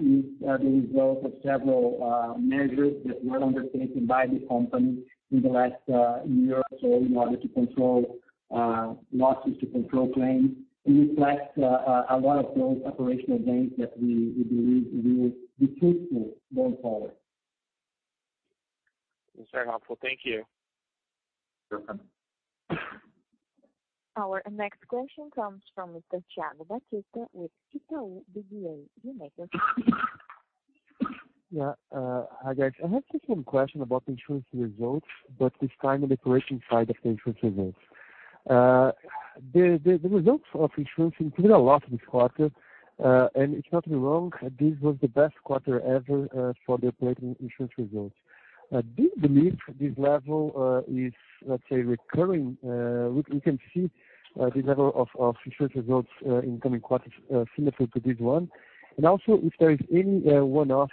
is the result of several measures that were undertaken by the company in the last year or so in order to control losses, to control claims, and reflects a lot of those operational gains that we believe will be persistent going forward. It's very helpful. Thank you. You're welcome. Our next question comes from Mr. Thiago Batista with Itaú BBA. You may proceed. Yeah. Hi, guys. I have just one question about the insurance results, but this time the operation side of the insurance results. The results of insurance improved a lot this quarter. It's nothing wrong, this was the best quarter ever for the operating insurance results. Do you believe this level is, let's say, recurring? We can see this level of insurance results in coming quarters similar to this one. Also, if there is any one-off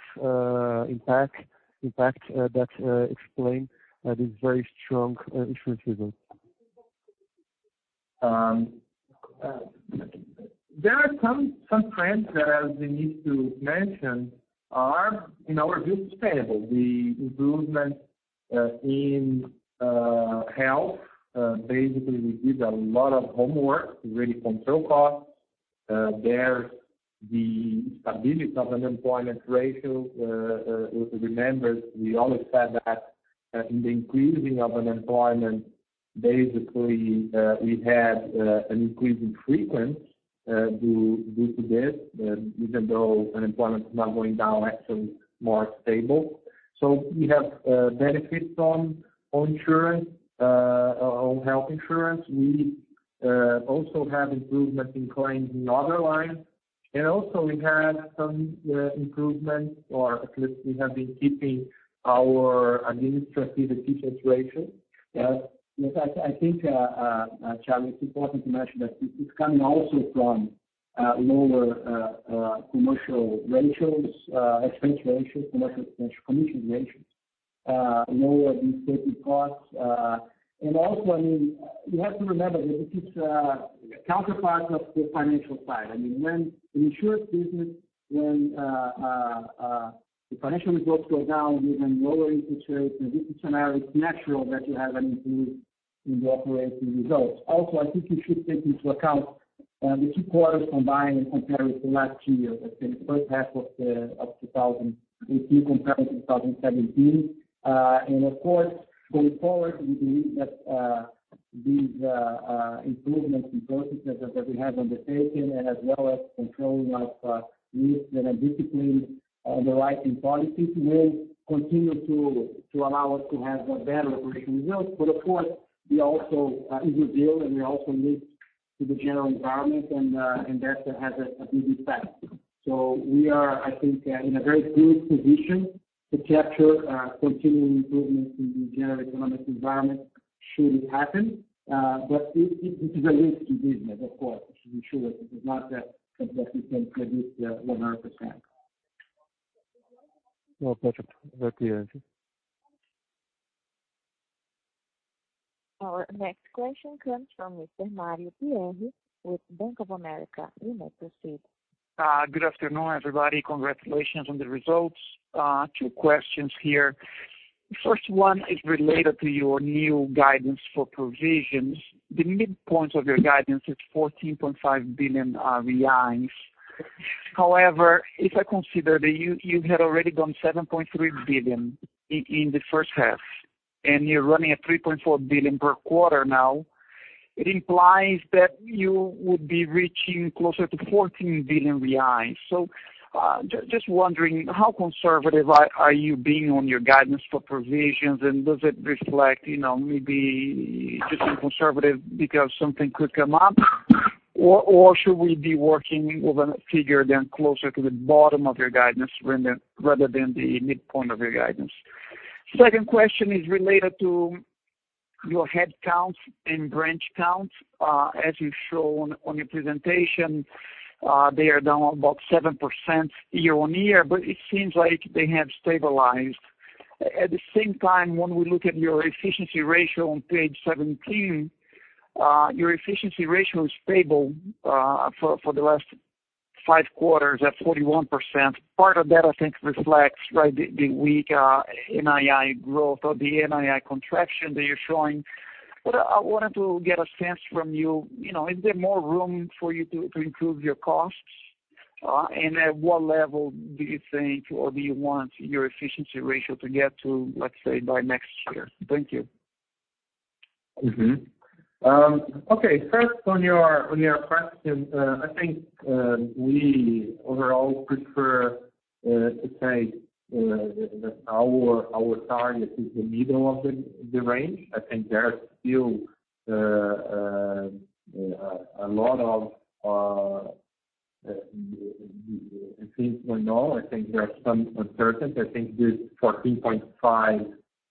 impact that explain this very strong insurance result. There are some trends that we need to mention are, in our view, sustainable. The improvement in health, basically we did a lot of homework to really control costs. There's the stability of unemployment ratio. If we remember, we always said that in the increasing of unemployment, basically, we had an increase in frequency due to this, even though unemployment is now going down, actually more stable. We have benefits on insurance, on health insurance. We also have improvements in claims in other lines, also we have some improvements, or at least we have been keeping our administrative efficiency ratio. Yes. I think, Thiago, it's important to mention that it's coming also from lower commercial ratios, expense ratios, commercial commission ratios, lower 50 costs. Also, you have to remember that this is a counterpart of the financial side. In insurance business, when the financial results go down given lower interest rates and this scenario, it's natural that you have an improvement in the operating results. I think you should take into account the two quarters combined compared to last year, let's say, the first half of 2018 compared to 2017. Of course, going forward, we believe that these improvements in processes that we have undertaken and as well as controlling of risk and discipline on the writing policies will continue to allow us to have better operating results. Of course, we also easily deal, and we also need to the general environment and that has a big impact. We are, I think, in a very good position to capture continuing improvements in the general economic environment should it happen. But it is a risky business, of course. We should ensure that it is not that we can predict 100%. No, perfect. Thank you. Our next question comes from Mr. Mario Pierry with Bank of America. You may proceed. Good afternoon, everybody. Congratulations on the results. Two questions here. First one is related to your new guidance for provisions. The midpoint of your guidance is 14.5 billion reais. However, if I consider that you had already done 7.3 billion in the first half, and you're running at 3.4 billion per quarter now, it implies that you would be reaching closer to 14 billion reais. Just wondering how conservative are you being on your guidance for provisions, and does it reflect maybe just being conservative because something could come up? Or should we be working with a figure then closer to the bottom of your guidance rather than the midpoint of your guidance? Second question is related to your headcounts and branch counts. As you've shown on your presentation, they are down about 7% year-on-year, but it seems like they have stabilized. When we look at your efficiency ratio on page 17, your efficiency ratio is stable for the last five quarters at 41%. Part of that, I think, reflects the weak NII growth or the NII contraction that you're showing. I wanted to get a sense from you, is there more room for you to improve your costs? At what level do you think, or do you want your efficiency ratio to get to, let's say, by next year? Thank you. Okay. First, on your question, I think we overall prefer to say that our target is the middle of the range. I think there are still a lot of things going on. I think there are some uncertainties. I think this 14.5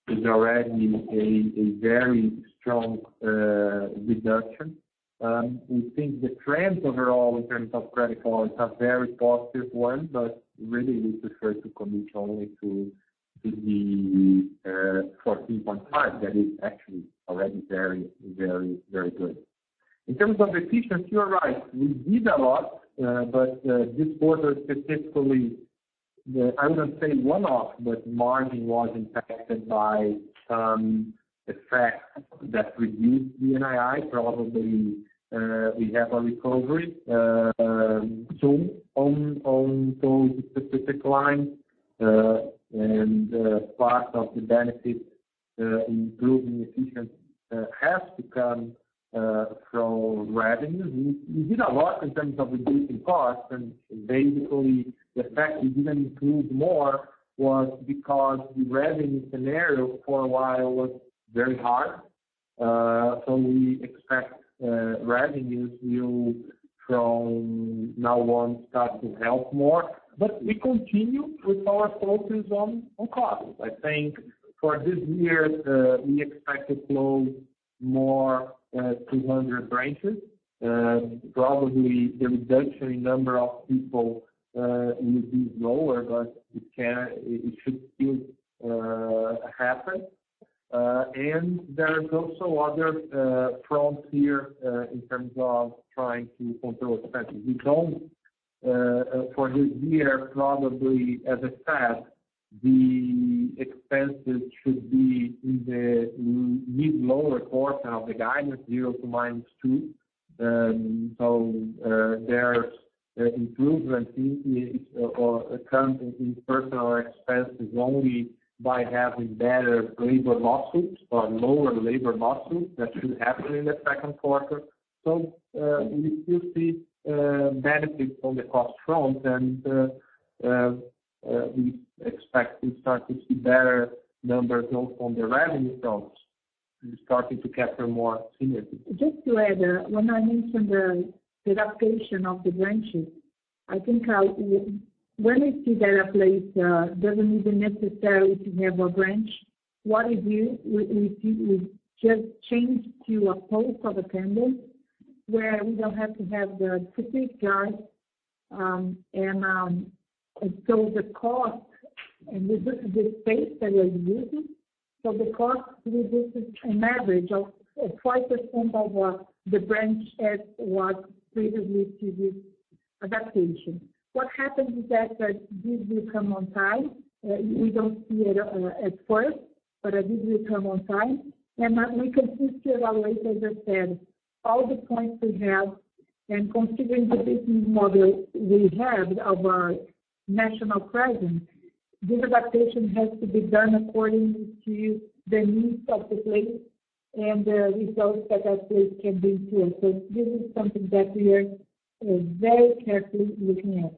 is already a very strong reduction. We think the trends overall in terms of credit costs are very positive ones, but really we prefer to commit only to the 14.5 that is actually already very good. In terms of efficiency, you are right, we did a lot. This quarter specifically, I wouldn't say one-off, but margin was impacted by The fact that we need the NII, probably we have a recovery soon on those specific lines, and part of the benefit improving efficiency has to come from revenue. We did a lot in terms of reducing costs, basically the fact we didn't improve more was because the revenue scenario for a while was very hard. We expect revenues will from now on start to help more. We continue with our focus on costs. I think for this year, we expect to close more 200 branches. Probably the reduction in number of people will be lower, but it should still happen. There is also other fronts here in terms of trying to control expenses. For this year, probably as I said, the expenses should be in the mid-lower quarter of the guidance, zero to minus two. There's improvement in personal expenses only by having better labor lawsuits or lower labor lawsuits. That should happen in the second quarter. We still see benefits on the cost front, we expect to start to see better numbers both on the revenue front and starting to capture more synergies. Just to add, when I mentioned the adaptation of the branches, I think when we see that a place doesn't need necessarily to have a branch, what we do, we just change to a post of attendance where we don't have to have the security guard. The cost and the space that we are using. The cost reduces an average of 20% of what the branch had, what previously to this adaptation. What happens is that it did return on time. We don't see it at first, but it did return on time. We consistently evaluate, as I said, all the points we have and considering the business model we have of our national presence, this adaptation has to be done according to the needs of the place and the results that that place can bring to us. This is something that we are very carefully looking at.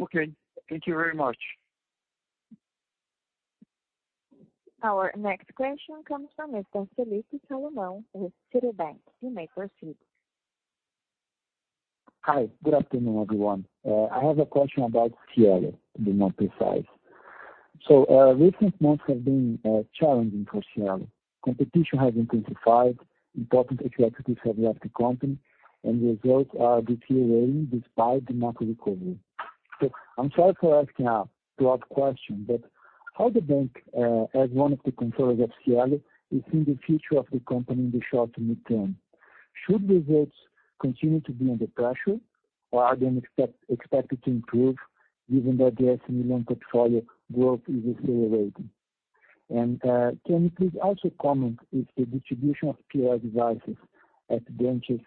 Okay. Thank you very much. Our next question comes from Mr. Felipe Salomão with Citibank. You may proceed. Hi. Good afternoon, everyone. I have a question about Cielo, to be more precise. Recent months have been challenging for Cielo. Competition has intensified, important executives have left the company, and the results are deteriorating despite the macro recovery. I'm sorry for asking a broad question, but how the bank as one of the controllers of Cielo is seeing the future of the company in the short to midterm? Should results continue to be under pressure, or are they expected to improve given that the SME loan portfolio growth is accelerating? Can you please also comment if the distribution of POS devices at branches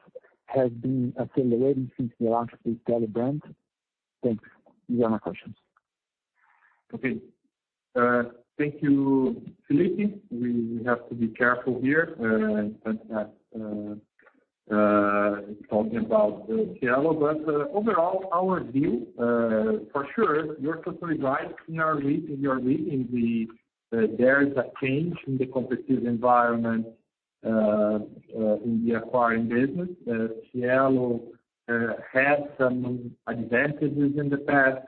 has been accelerating since the launch of Stelo? Thanks. These are my questions. Okay. Thank you, Felipe Salomão. We have to be careful here, in talking about Cielo. Overall, our view, for sure, you are totally right. In your reading, there is a change in the competitive environment in the acquiring business. Cielo had some advantages in the past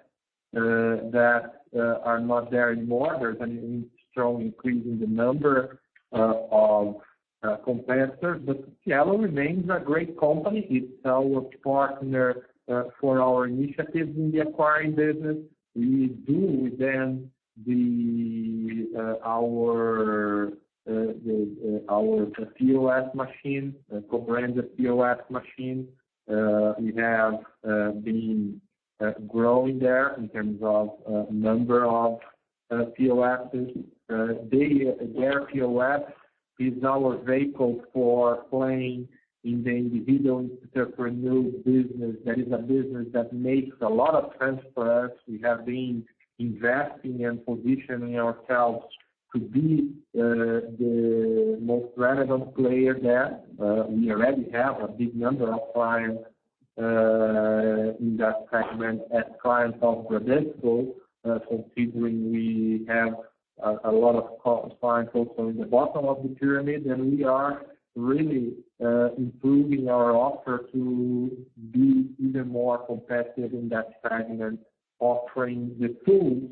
that are not there anymore. There's a strong increase in the number of competitors. Cielo remains a great company. It's our partner for our initiatives in the acquiring business. We do with them our co-branded POS machine. We have been growing there in terms of number of POSs. Their POS is our vehicle for playing in the individual entrepreneurial business. That is a business that makes a lot of sense for us. We have been investing and positioning ourselves to be the most relevant player there. We already have a big number of clients in that segment as clients of Banco Bradesco considering we have a lot of clients also in the bottom of the pyramid. We are really improving our offer to be even more competitive in that segment, offering the tools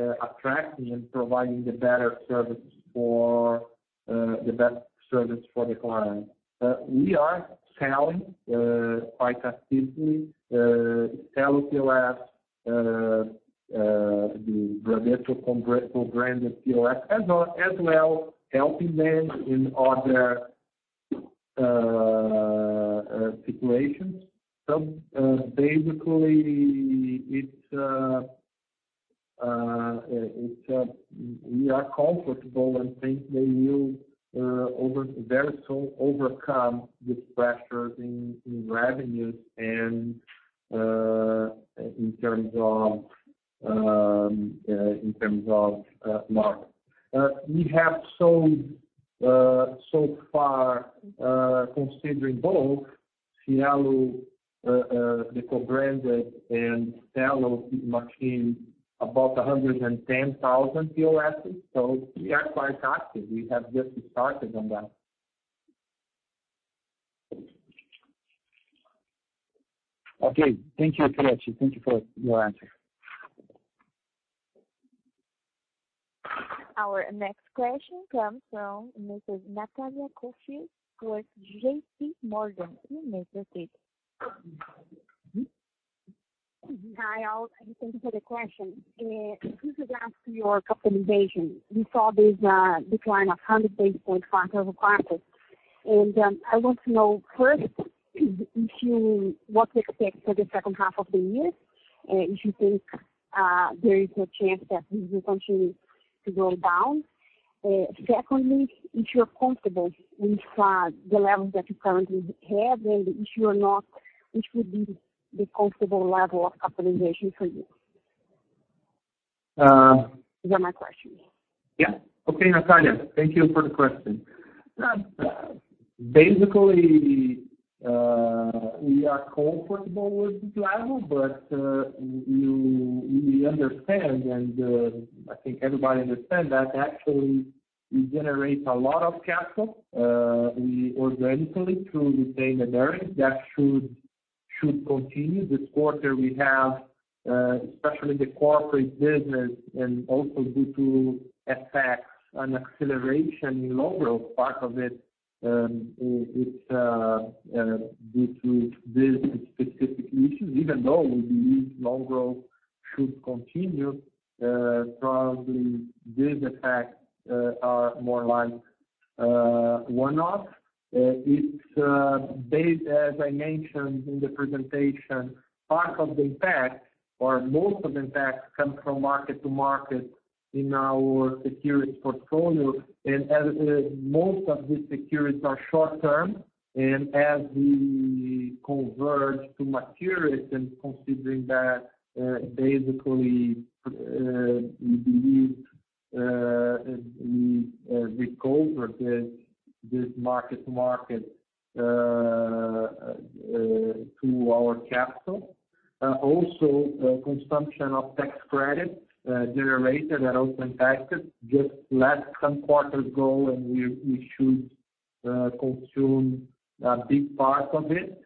for attracting and providing the best service for the client. We are selling quite actively Cielo POS, the Banco Bradesco co-branded POS, as well, helping them in other situations. Basically, we are comfortable and think they will very soon overcome these pressures in revenues and in terms of market. We have so far considered both Cielo, the co-branded and Cielo machine, about 110,000 POS, we are quite active. We have just started on that. Okay, thank you, Carlos Firetti. Thank you for your answer. Our next question comes from Mrs. Natalia Costa with JPMorgan. You may proceed. Hi, all. Thank you for the question. With regards to your capitalization, we saw this decline of 100 basis points quarter-over-quarter. I want to know first what to expect for the second-half of the year, if you think there is a chance that this will continue to go down. Secondly, if you're comfortable with the levels that you currently have, and if you are not, which would be the comfortable level of capitalization for you? These are my questions. Yeah. Okay, Natalia, thank you for the question. Basically, we are comfortable with this level, but we understand, and I think everybody understands that actually we generate a lot of capital. We organically, through retained earnings, that should continue. This quarter we have, especially the corporate business and also due to effects and acceleration in loan growth, part of it is due to these specific issues. Even though we believe loan growth should continue, probably these effects are more like one-off. As I mentioned in the presentation, part of the impact or most of impact comes from mark-to-market in our securities portfolio. As most of these securities are short-term and as we converge to maturity and considering that basically we believe we recovered this mark-to-market to our capital. Also, consumption of tax credits generated are also impacted just last some quarters ago, and we should consume a big part of it.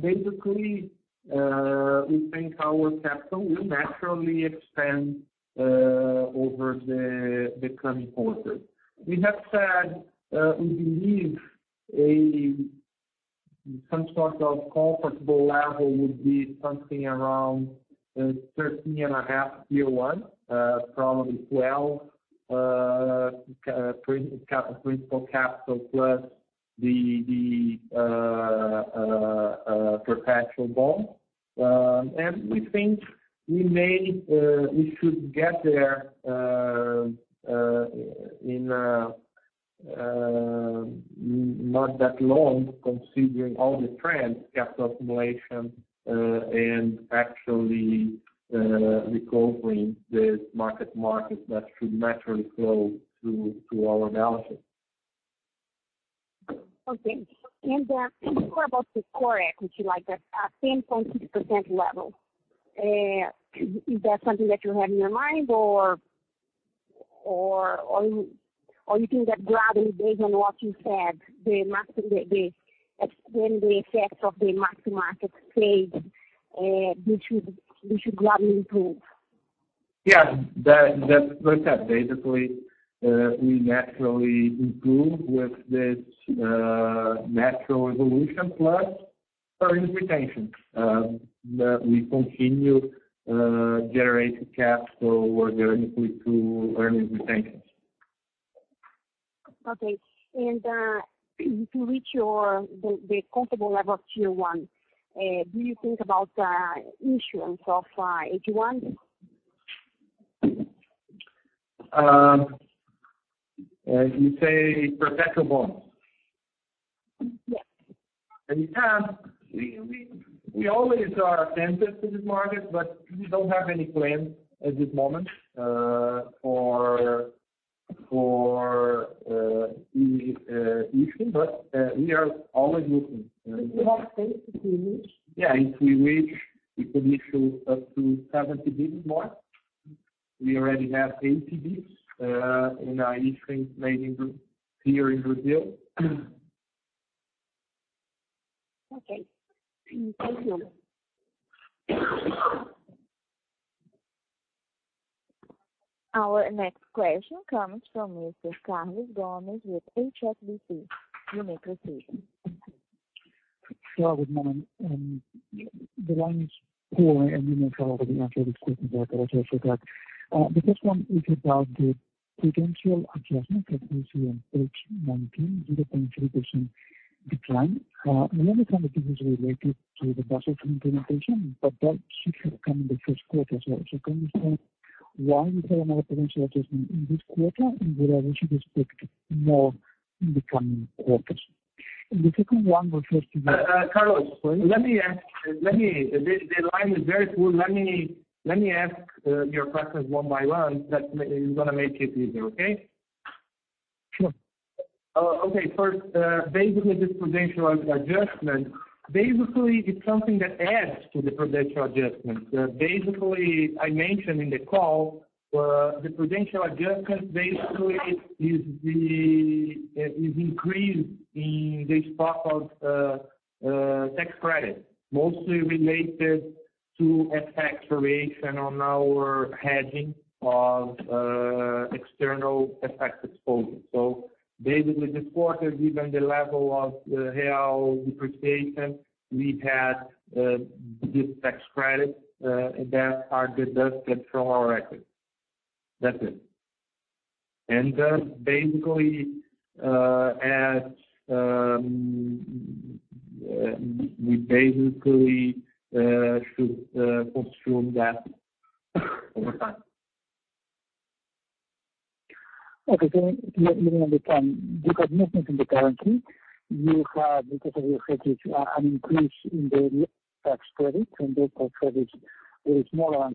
Basically, we think our capital will naturally expand over the coming quarters. We have said we believe some sort of comfortable level would be something around 13.5 Tier 1, probably 12 principal capital plus the perpetual bond. We think we should get there in not that long considering all the trends, capital accumulation and actually recovering this mark-to-market that should naturally flow through to our balance sheet. Okay. What about the core equity, like that 10.2% level? Is that something that you have in your mind or you think that gradually based on what you said, when the effects of the mark-to-market fade, we should gradually improve? Yeah. Like I said, basically we naturally improve with this natural evolution plus earnings retention that we continue generating capital organically through earnings retention. Okay. To reach the comfortable level of Tier 1, do you think about the issuance of AT1? You say perpetual bonds? Yes. We always are attentive to this market, we don't have any plans at this moment for the issue. We are always looking. Do you have space if you wish? Yeah, if we wish, we could issue up to 70 basis more. We already have 80 basis in our issuance made here in Brazil. Okay. Thank you. Our next question comes from Mr. Carlos Gomez-Lopez with HSBC. You may proceed. Sure, good morning. I know you probably answered these questions already, sorry for that. The first one is about the prudential adjustments that we see on page 19, 0.3% decline. I know that this is related to the Basel III implementation, that should have come in the first quarter as well. Can you tell why we saw another prudential adjustment in this quarter, and whether we should expect more in the coming quarters? Carlos, the line is very poor. Let me ask your questions one by one. That is going to make it easier, okay? Sure. Okay. First, basically this prudential adjustment, it's something that adds to the prudential adjustment. I mentioned in the call, the prudential adjustment is increased in the stock of tax credit, mostly related to a tax variation on our hedging of external FX exposure. This quarter, given the level of Real depreciation, we had this tax credit, and that are deducted from our records. That's it. We should consume that over time. Let me understand. You got movement in the currency. You have, because of your hedges, an increase in the tax credit, and that tax credit is more or less-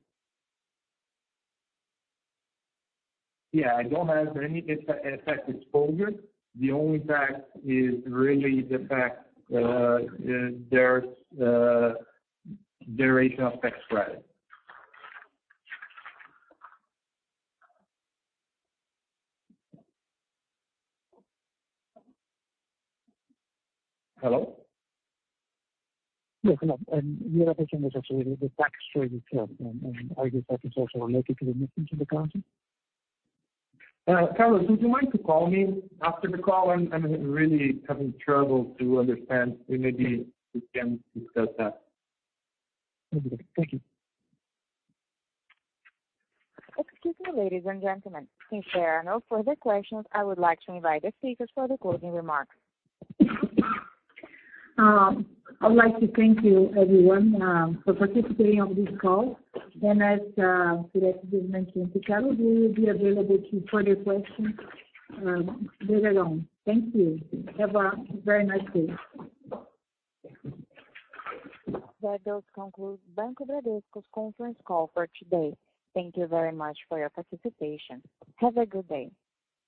Yeah, I don't have any FX exposure. The only effect is really the effect there's duration of tax credit. Hello? Yes, hello. The other question was actually the tax credit as well, and are you saying that is also related to the movement in the currency? Carlos, would you mind to call me after the call? I'm really having trouble to understand, and maybe we can discuss that. Okay. Thank you. Excuse me, ladies and gentlemen. Since there are no further questions, I would like to invite the speakers for the closing remarks. I would like to thank you, everyone, for participating on this call. As Diretor Guimarães and Carlos, we will be available for further questions later on. Thank you. Have a very nice day. That does conclude Banco Bradesco's conference call for today. Thank you very much for your participation. Have a good day.